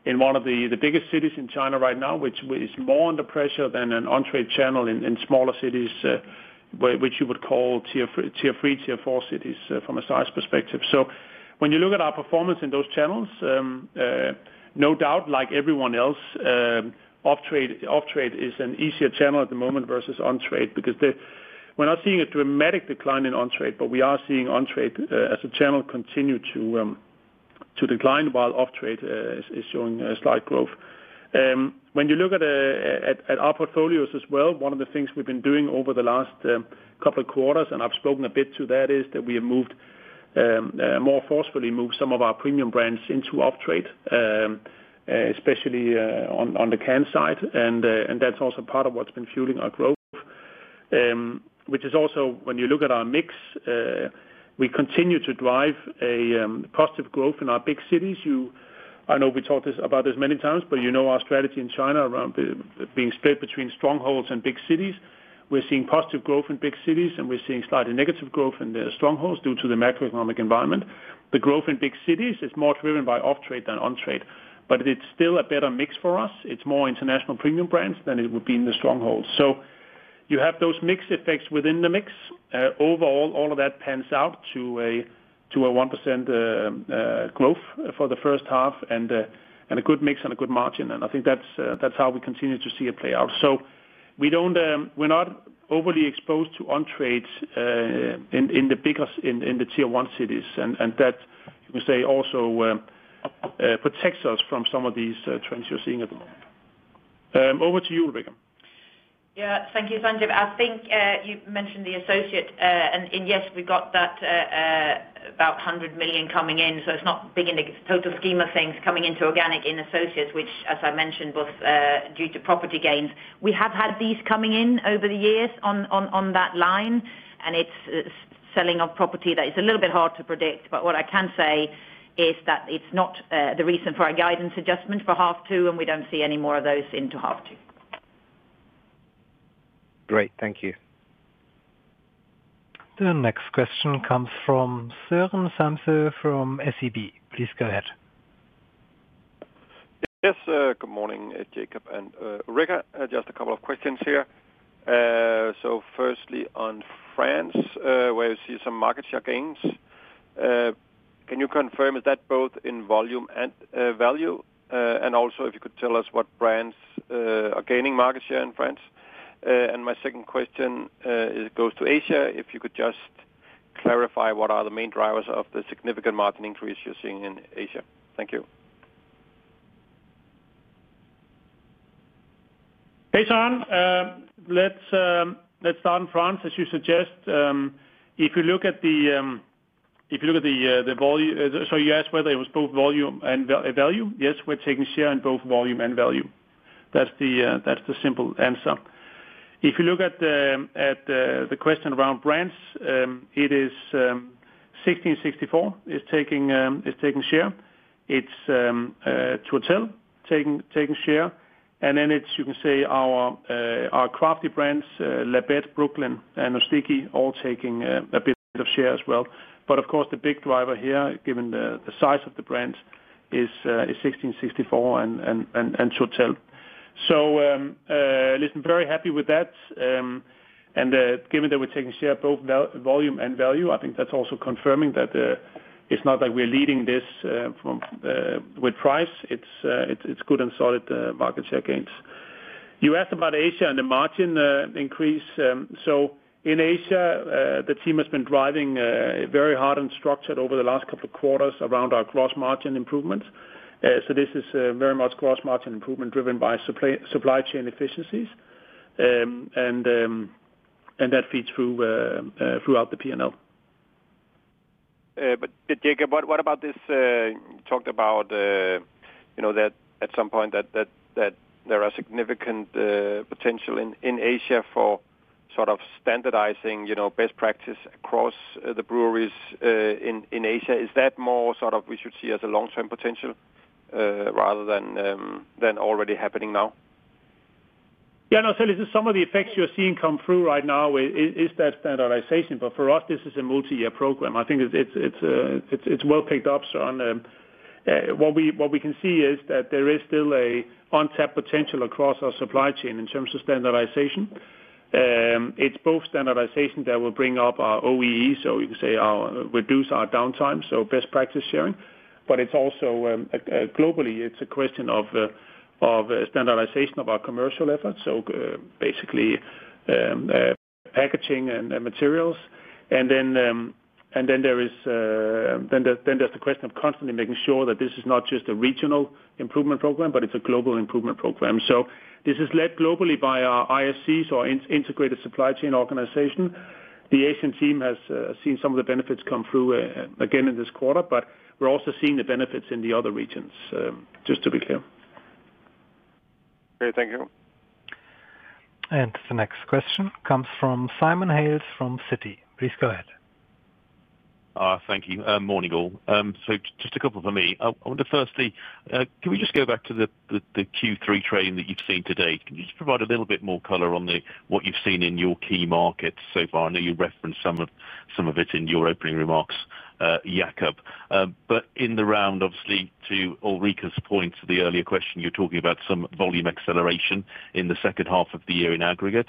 in one of the biggest cities in China right now, which is more under pressure than an on-trade channel in smaller cities, which you would call tier three, tier four cities from a size perspective. When you look at our performance in those channels, no doubt, like everyone else, off-trade is an easier channel at the moment versus on-trade because we're not seeing a dramatic decline in on-trade, but we are seeing on-trade as a channel continue to decline while off-trade is showing slight growth. When you look at our portfolios as well, one of the things we've been doing over the last couple of quarters, and I've spoken a bit to that, is that we have more forcefully moved some of our premium brands into off-trade, especially on the can side. That's also part of what's been fueling our growth, which is also, when you look at our mix, we continue to drive positive growth in our big cities. I know we talked about this many times, but you know our strategy in China around being split between strongholds and big cities. We're seeing positive growth in big cities, and we're seeing slightly negative growth in the strongholds due to the macroeconomic environment. The growth in big cities is more driven by off-trade than on-trade, but it's still a better mix for us. It's more international premium brands than it would be in the strongholds. You have those mixed effects within the mix. Overall, all of that pans out to a 1% growth for the first half and a good mix and a good margin. I think that's how we continue to see it play out. We're not overly exposed to on-trade in the bigger, in the tier one cities, and that, you can say, also protects us from some of these trends you're seeing at the moment. Over to you, Ulrika. Yeah, thank you, Sanjeet. I think you mentioned the associate, and yes, we got that about 100 million coming in. It's not big in the total scheme of things coming into organic in associates, which, as I mentioned, is both due to property gains. We have had these coming in over the years on that line, and it's selling of property that is a little bit hard to predict. What I can say is that it's not the reason for a guidance adjustment for half two, and we don't see any more of those into half two. Great, thank you. The next question comes from Søren Samsø from SEB. Please go ahead. Yes, good morning, Jacob and Ulrika. Just a couple of questions here. Firstly, on France, where you see some market share gains, can you confirm, is that both in volume and value? If you could tell us what brands are gaining market share in France. My second question goes to Asia. If you could just clarify what are the main drivers of the significant market increase you're seeing in Asia. Thank you. Hey, Søren. Let's start in France, as you suggest. If you look at the volume, you asked whether it was both volume and value? Yes, we're taking share in both volume and value. That's the simple answer. If you look at the question around brands, it is 1664 is taking share. It's Totale taking share. Then it's, you can say, our crafty brands, La Bête, Brooklyn, and Nosticki all taking a bit of share as well. Of course, the big driver here, given the size of the brands, is 1664 and Totale. Listen, very happy with that. Given that we're taking share in both volume and value, I think that's also confirming that it's not like we're leading this with price. It's good and solid market share gains. You asked about Asia and the margin increase. In Asia, the team has been driving very hard and structured over the last couple of quarters around our gross margin improvements. This is very much gross margin improvement driven by supply chain efficiencies, and that feeds through throughout the P&L. Jacob, what about this? You talked about, you know, that at some point that there are significant potential in Asia for sort of standardizing, you know, best practice across the breweries in Asia. Is that more sort of we should see as a long-term potential rather than already happening now? Yeah, no, listen, some of the effects you're seeing come through right now is that standardization. For us, this is a multi-year program. I think it's well picked up, Søren. What we can see is that there is still an untapped potential across our supply chain in terms of standardization. It's both standardization that will bring up our OEE, so you can say reduce our downtime, best practice sharing. It's also, globally, a question of standardization of our commercial efforts, basically packaging and materials. There's the question of constantly making sure that this is not just a regional improvement program, but it's a global improvement program. This is led globally by our ISCs, or Integrated Supply Chain Organization. The Asian team has seen some of the benefits come through again in this quarter, and we're also seeing the benefits in the other regions, just to be clear. Great, thank you. The next question comes from Simon Hales from Citi. Please go ahead. Thank you. Morning all. Just a couple for me. I wonder firstly, can we just go back to the Q3 trend that you've seen today? Can you just provide a little bit more color on what you've seen in your key markets so far? I know you referenced some of it in your opening remarks, Jacob. In the round, obviously, to Ulrika's point to the earlier question, you're talking about some volume acceleration in the second half of the year in aggregate.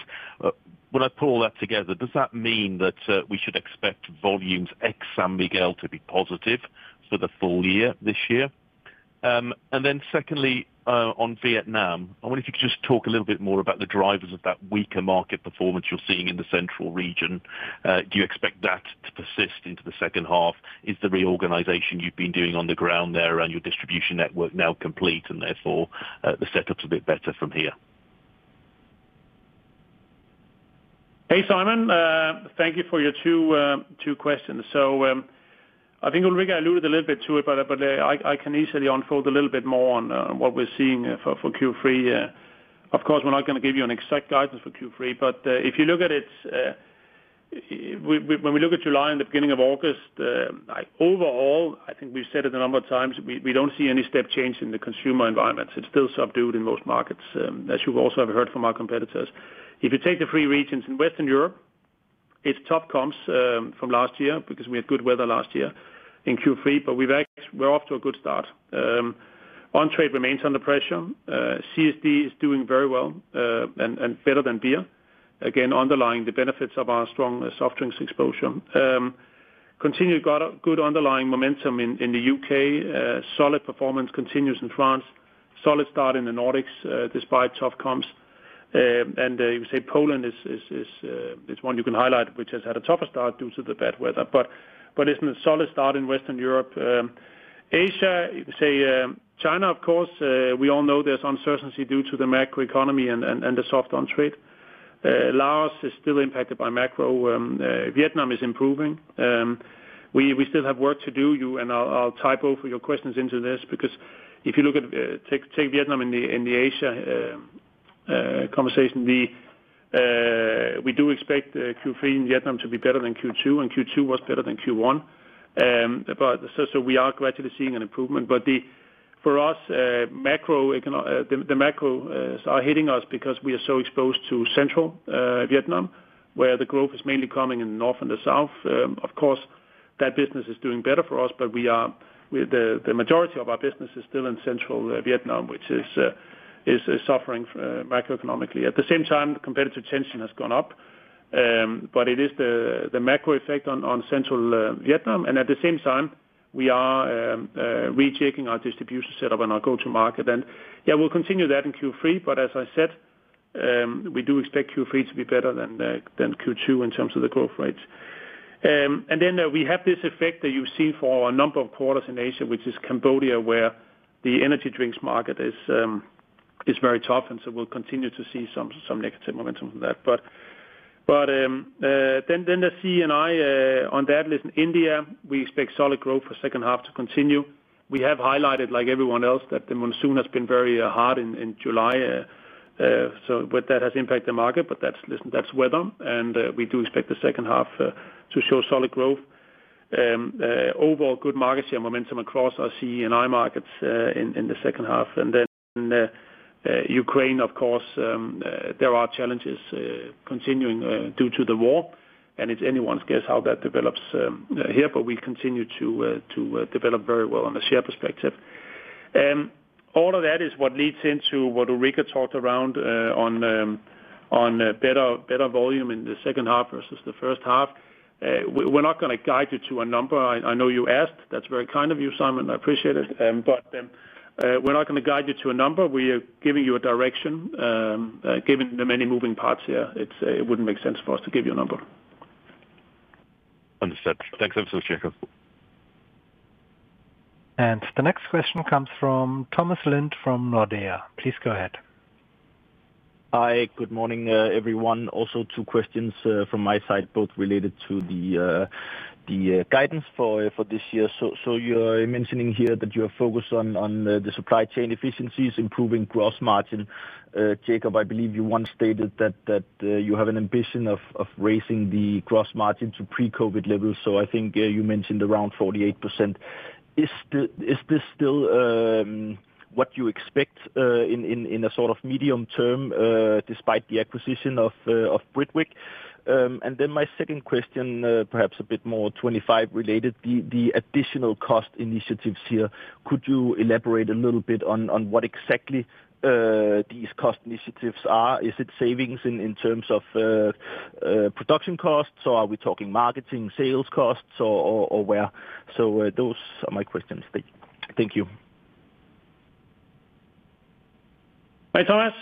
When I pull that together, does that mean that we should expect volumes ex-San Miguel to be positive for the full year this year? Secondly, on Vietnam, I wonder if you could just talk a little bit more about the drivers of that weaker market performance you're seeing in the central region. Do you expect that to persist into the second half? Is the reorganization you've been doing on the ground there around your distribution network now complete and therefore the setup's a bit better from here? Hey Simon, thank you for your two questions. I think Ulrika alluded a little bit to it, but I can easily unfold a little bit more on what we're seeing for Q3. Of course, we're not going to give you an exact guidance for Q3, but if you look at it, when we look at July and the beginning of August, overall, I think we've said it a number of times, we don't see any step change in the consumer environments. It's still subdued in most markets, as you also have heard from our competitors. If you take the three regions in Western Europe, it's tough comps from last year because we had good weather last year in Q3, but we're off to a good start. On-trade remains under pressure. CSD is doing very well and better than beer, again underlying the benefits of our strong soft drinks exposure. Continued good underlying momentum in the UK. Solid performance continues in France. Solid start in the Nordics despite tough comps. You can say Poland is one you can highlight, which has had a tougher start due to the bad weather. Listen, a solid start in Western Europe. Asia, you can say China, of course, we all know there's uncertainty due to the macroeconomy and the soft on-trade. Laos is still impacted by macro. Vietnam is improving. We still have work to do. I'll tie both of your questions into this because if you look at Vietnam in the Asia conversation, we do expect Q3 in Vietnam to be better than Q2, and Q2 was better than Q1. We are gradually seeing an improvement. For us, the macros are hitting us because we are so exposed to central Vietnam, where the growth is mainly coming in the north and the south. That business is doing better for us, but the majority of our business is still in central Vietnam, which is suffering macroeconomically. At the same time, competitive tension has gone up. It is the macro effect on central Vietnam. At the same time, we are rejigging our distribution setup and our go-to market. We'll continue that in Q3. As I said, we do expect Q3 to be better than Q2 in terms of the growth rates. We have this effect that you see for a number of quarters in Asia, which is Cambodia, where the energy drinks market is very tough. We'll continue to see some negative momentum from that. The CEI on that, listen, India, we expect solid growth for the second half to continue. We have highlighted, like everyone else, that the monsoon has been very hard in July. That has impacted the market, but that's weather. We do expect the second half to show solid growth. Overall, good market share momentum across our CEI markets in the second half. Ukraine, of course, there are challenges continuing due to the war. It's anyone's guess how that develops here, but we continue to develop very well on the share perspective. All of that is what leads into what Ulrika talked around on better volume in the second half versus the first half. We're not going to guide you to a number. I know you asked. That's very kind of you, Simon. I appreciate it. We're not going to guide you to a number. We are giving you a direction, given the many moving parts here. It wouldn't make sense for us to give you a number. Understood. Thanks ever so much, Jacob. The next question comes from Thomas Lind from Nordea. Please go ahead. Hi, good morning everyone. Also, two questions from my side, both related to the guidance for this year. You're mentioning here that you're focused on the supply chain efficiencies, improving gross margin. Jacob, I believe you once stated that you have an ambition of raising the gross margin to pre-COVID levels. I think you mentioned around 48%. Is this still what you expect in a sort of medium term, despite the acquisition of Britvic? My second question, perhaps a bit more 2025 related, the additional cost initiatives here. Could you elaborate a little bit on what exactly these cost initiatives are? Is it savings in terms of production costs, or are we talking marketing, sales costs, or where? Those are my questions. Thank you. Hi Thomas.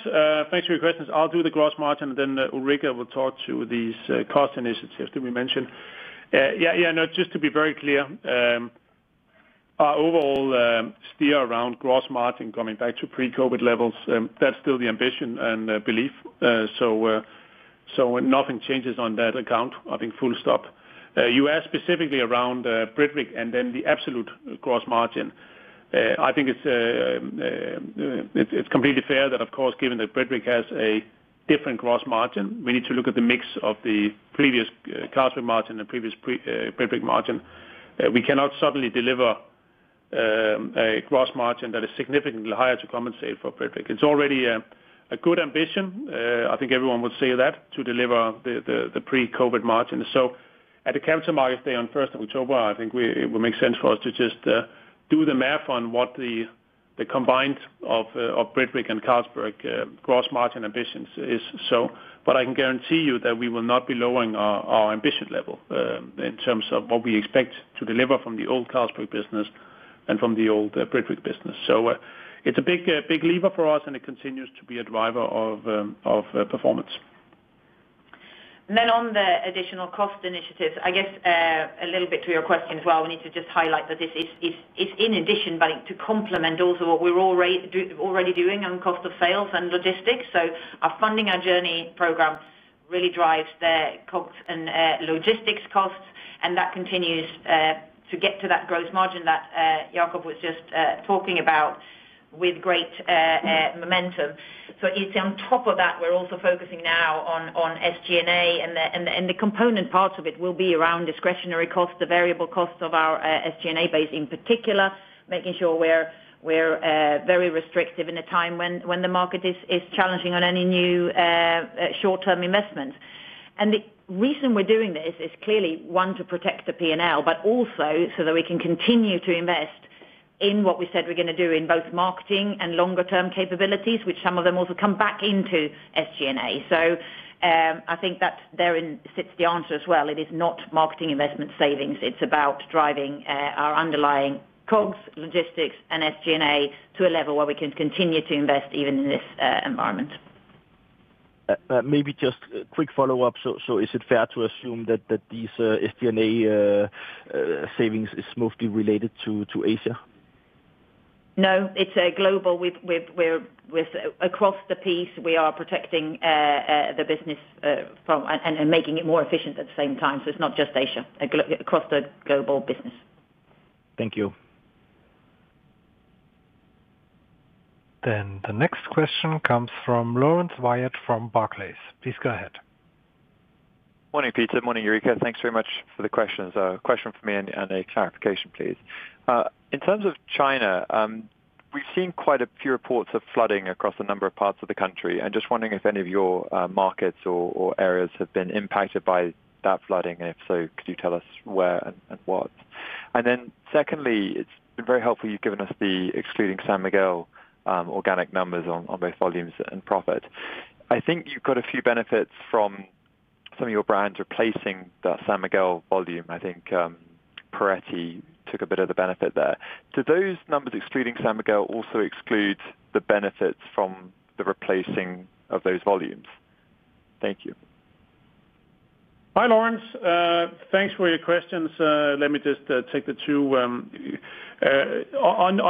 Thanks for your questions. I'll do the gross margin, and then Ulrika will talk to these cost initiatives that we mentioned. No, just to be very clear, our overall steer around gross margin coming back to pre-COVID levels, that's still the ambition and belief. Nothing changes on that account, I think, full stop. You asked specifically around Britvic and then the absolute gross margin. I think it's completely fair that, of course, given that Britvic has a different gross margin, we need to look at the mix of the previous Carlsberg margin and the previous Britvic margin. We cannot suddenly deliver a gross margin that is significantly higher to compensate for Britvic. It's already a good ambition. I think everyone would say that, to deliver the pre-COVID margin. At the capital markets day on 1st of October, I think it would make sense for us to just do the math on what the combined of Britvic and Carlsberg gross margin ambitions is. I can guarantee you that we will not be lowering our ambition level in terms of what we expect to deliver from the old Carlsberg business and from the old Britvic business. It's a big lever for us, and it continues to be a driver of performance. On the additional cost initiatives, I guess a little bit to your question as well, we need to just highlight that this is in addition, but to complement also what we're already doing on cost of sales and logistics. Our Funding Our Journey program really drives their cost and logistics costs, and that continues to get to that gross margin that Jacob was just talking about with great momentum. You'd say on top of that, we're also focusing now on SG&A, and the component parts of it will be around discretionary costs, the variable costs of our SG&A base in particular, making sure we're very restrictive in a time when the market is challenging on any new short-term investments. The reason we're doing this is clearly, one, to protect the P&L, but also so that we can continue to invest in what we said we're going to do in both marketing and longer-term capabilities, which some of them also come back into SG&A. I think that therein sits the answer as well. It is not marketing investment savings. It's about driving our underlying comps, logistics, and SG&A to a level where we can continue to invest even in this environment. Maybe just a quick follow-up. Is it fair to assume that these SG&A savings are mostly related to Asia? No, it's global. We're across the piece. We are protecting the business and making it more efficient at the same time. It's not just Asia, it's across the global business. Thank you. The next question comes from Lawrence Wyatt from Barclays. Please go ahead. Morning, Peter. Morning, Ulrika. Thanks very much for the questions. A question for me and a clarification, please. In terms of China, we've seen quite a few reports of flooding across a number of parts of the country. I'm just wondering if any of your markets or areas have been impacted by that flooding, and if so, could you tell us where and what? Secondly, it's been very helpful you've given us the excluding San Miguel organic numbers on both volumes and profit. I think you've got a few benefits from some of your brands replacing that San Miguel volume. I think Poretti took a bit of the benefit there. Do those numbers excluding San Miguel also exclude the benefits from the replacing of those volumes? Thank you. Hi Lawrence. Thanks for your questions. Let me just take the two. On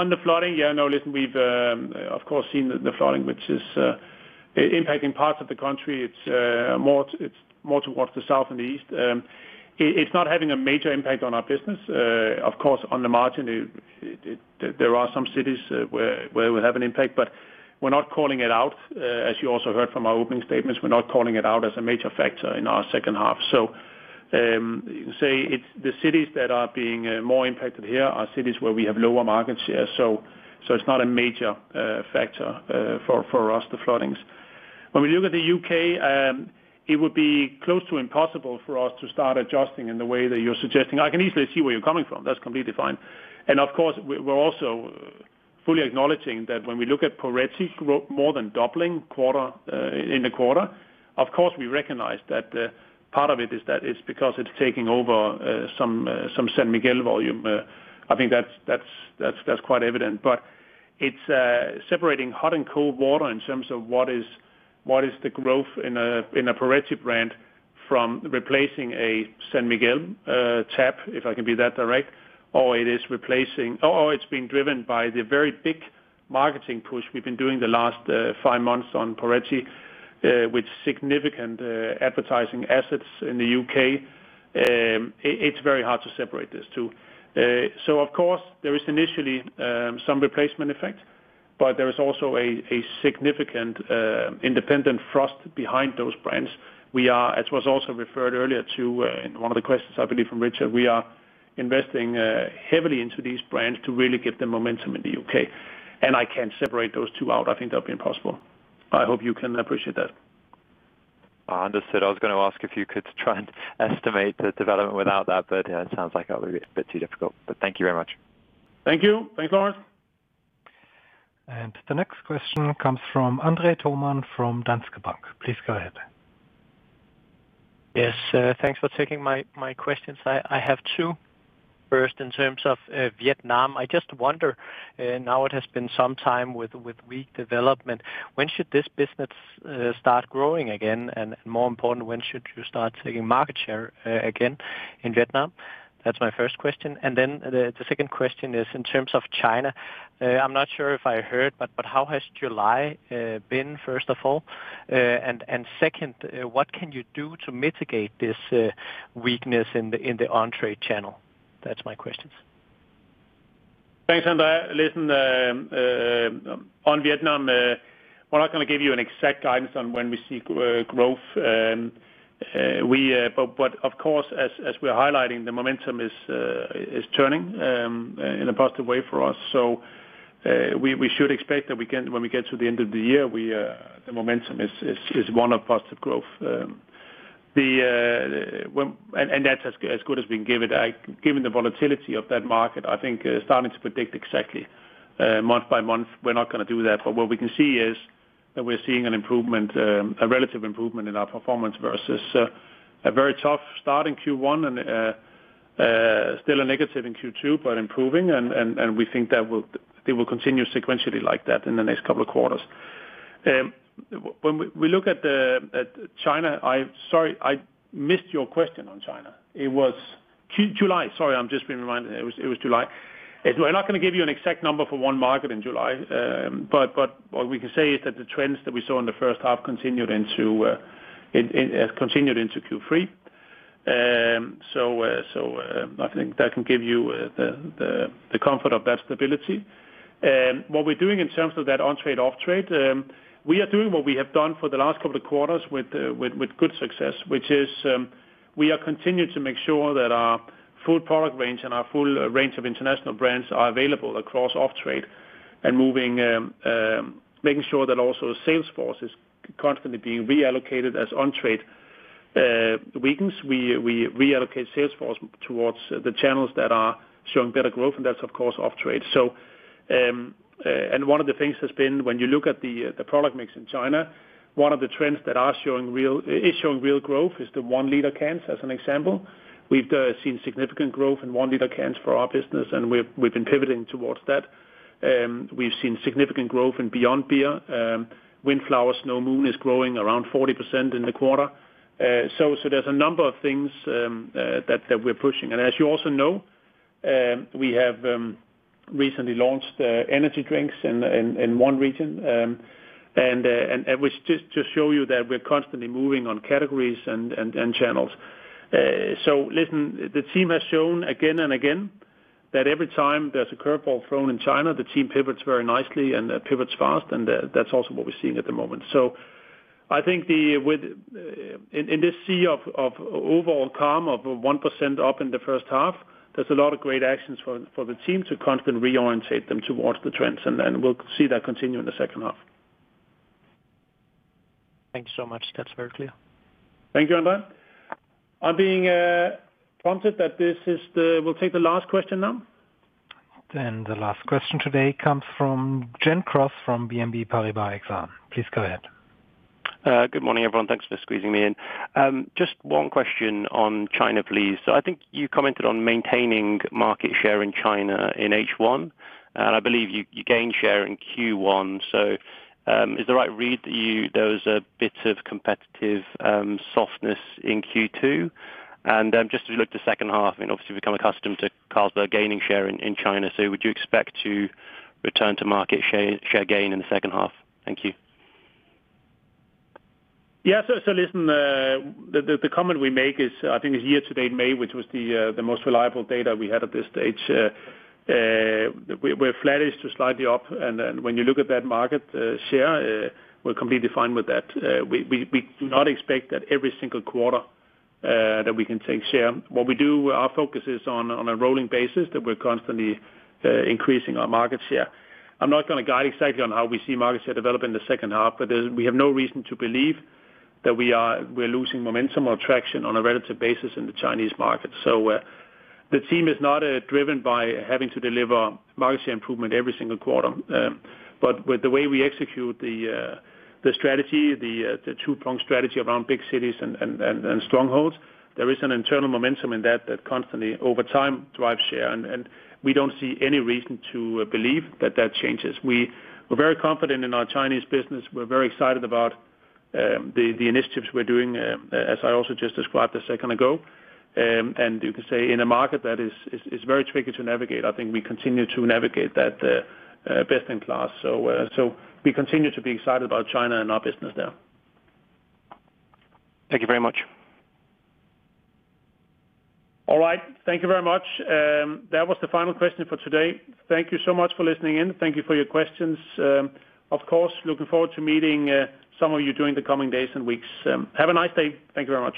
the flooding, yeah, no, listen, we've of course seen the flooding, which is impacting parts of the country. It's more towards the south and the east. It's not having a major impact on our business. Of course, on the margin, there are some cities where we have an impact, but we're not calling it out, as you also heard from our opening statements. We're not calling it out as a major factor in our second half. You can say the cities that are being more impacted here are cities where we have lower market share. It's not a major factor for us, the floodings. When we look at the UK, it would be close to impossible for us to start adjusting in the way that you're suggesting. I can easily see where you're coming from. That's completely fine. Of course, we're also fully acknowledging that when we look at Poretti growth more than doubling in a quarter, we recognize that part of it is that it's because it's taking over some San Miguel volume. I think that's quite evident. It's separating hot and cold water in terms of what is the growth in a Poretti brand from replacing a San Miguel tap, if I can be that direct, or it's being driven by the very big marketing push we've been doing the last five months on Poretti with significant advertising assets in the UK. It's very hard to separate these two. Of course, there is initially some replacement effect, but there is also a significant independent thrust behind those brands. We are, as was also referred earlier to in one of the questions, I believe, from Richard, investing heavily into these brands to really give them momentum in the UK. I can't separate those two out. I think that would be impossible. I hope you can appreciate that. Understood. I was going to ask if you could try and estimate the development without that. It sounds like that would be a bit too difficult, but thank you very much. Thank you. Thanks, Lawrence. The next question comes from Andre Toman from Danske Bank. Please go ahead. Yes, thanks for taking my questions. I have two. First, in terms of Vietnam, I just wonder, now it has been some time with weak development, when should this business start growing again? More important, when should you start taking market share again in Vietnam? That's my first question. The second question is in terms of China. I'm not sure if I heard, but how has July been, first of all? What can you do to mitigate this weakness in the on-trade channel? That's my questions. Thanks, Andre. Listen, on Vietnam, we're not going to give you an exact guidance on when we see growth. Of course, as we're highlighting, the momentum is turning in a positive way for us. We should expect that when we get to the end of the year, the momentum is one of positive growth. That's as good as we can give it. Given the volatility of that market, I think starting to predict exactly month by month, we're not going to do that. What we can see is that we're seeing an improvement, a relative improvement in our performance versus a very tough start in Q1 and still a negative in Q2, but improving. We think that it will continue sequentially like that in the next couple of quarters. When we look at China, I'm sorry, I missed your question on China. It was July. Sorry, I'm just being reminded it was July. We're not going to give you an exact number for one market in July. What we can say is that the trends that we saw in the first half continued into Q3. I think that can give you the comfort of that stability. What we're doing in terms of that on-trade, off-trade, we are doing what we have done for the last couple of quarters with good success, which is we are continuing to make sure that our full product range and our full range. International Brands are available across off-trade and moving, making sure that also sales force is constantly being reallocated as on-trade weakens. We reallocate sales force towards the channels that are showing better growth, and that's, of course, off-trade. One of the things has been, when you look at the product mix in China, one of the trends that is showing real growth is the one-liter cans, as an example. We've seen significant growth in one-liter cans for our business, and we've been pivoting towards that. We've seen significant growth in beyond beer. Windflower Snow Moon is growing around 40% in the quarter. There's a number of things that we're pushing. As you also know, we have recently launched energy drinks in one region, and it's just to show you that we're constantly moving on categories and channels. The team has shown again and again that every time there's a curveball thrown in China, the team pivots very nicely and pivots fast, and that's also what we're seeing at the moment. I think in this sea of overall calm of 1% up in the first half, there's a lot of great actions for the team to constantly reorientate them towards the trends, and we'll see that continue in the second half. Thank you so much. That's very clear. Thank you, Andre. I'm being prompted that this is the. We'll take the last question now. The last question today comes from Gene Cross from BNP Paribas Exane. Please go ahead. Good morning, everyone. Thanks for squeezing me in. Just one question on China, please. I think you commented on maintaining market share in China in H1, and I believe you gained share in Q1. Is the right read that you, there was a bit of competitive softness in Q2, and just as we look at the second half, I mean, obviously we've become accustomed to Carlsberg Group gaining share in China. Would you expect to return to market share gain in the second half? Thank you. Yeah, so listen, the comment we make is, I think it's year-to-date May, which was the most reliable data we had at this stage. We're flattish to slightly up, and when you look at that market share, we're completely fine with that. We do not expect that every single quarter that we can take share. What we do, our focus is on a rolling basis that we're constantly increasing our market share. I'm not going to guide exactly on how we see market share develop in the second half, but we have no reason to believe that we're losing momentum or traction on a relative basis in the Chinese market. The team is not driven by having to deliver market share improvement every single quarter, but with the way we execute the strategy, the two-prong strategy around big cities and strongholds, there is an internal momentum in that that constantly, over time, drives share, and we don't see any reason to believe that that changes. We're very confident in our Chinese business. We're very excited about the initiatives we're doing, as I also just described a second ago, and you can say in a market that is very tricky to navigate, I think we continue to navigate that best in class. We continue to be excited about China and our business there. Thank you very much. All right, thank you very much. That was the final question for today. Thank you so much for listening in. Thank you for your questions. Of course, looking forward to meeting some of you during the coming days and weeks. Have a nice day. Thank you very much.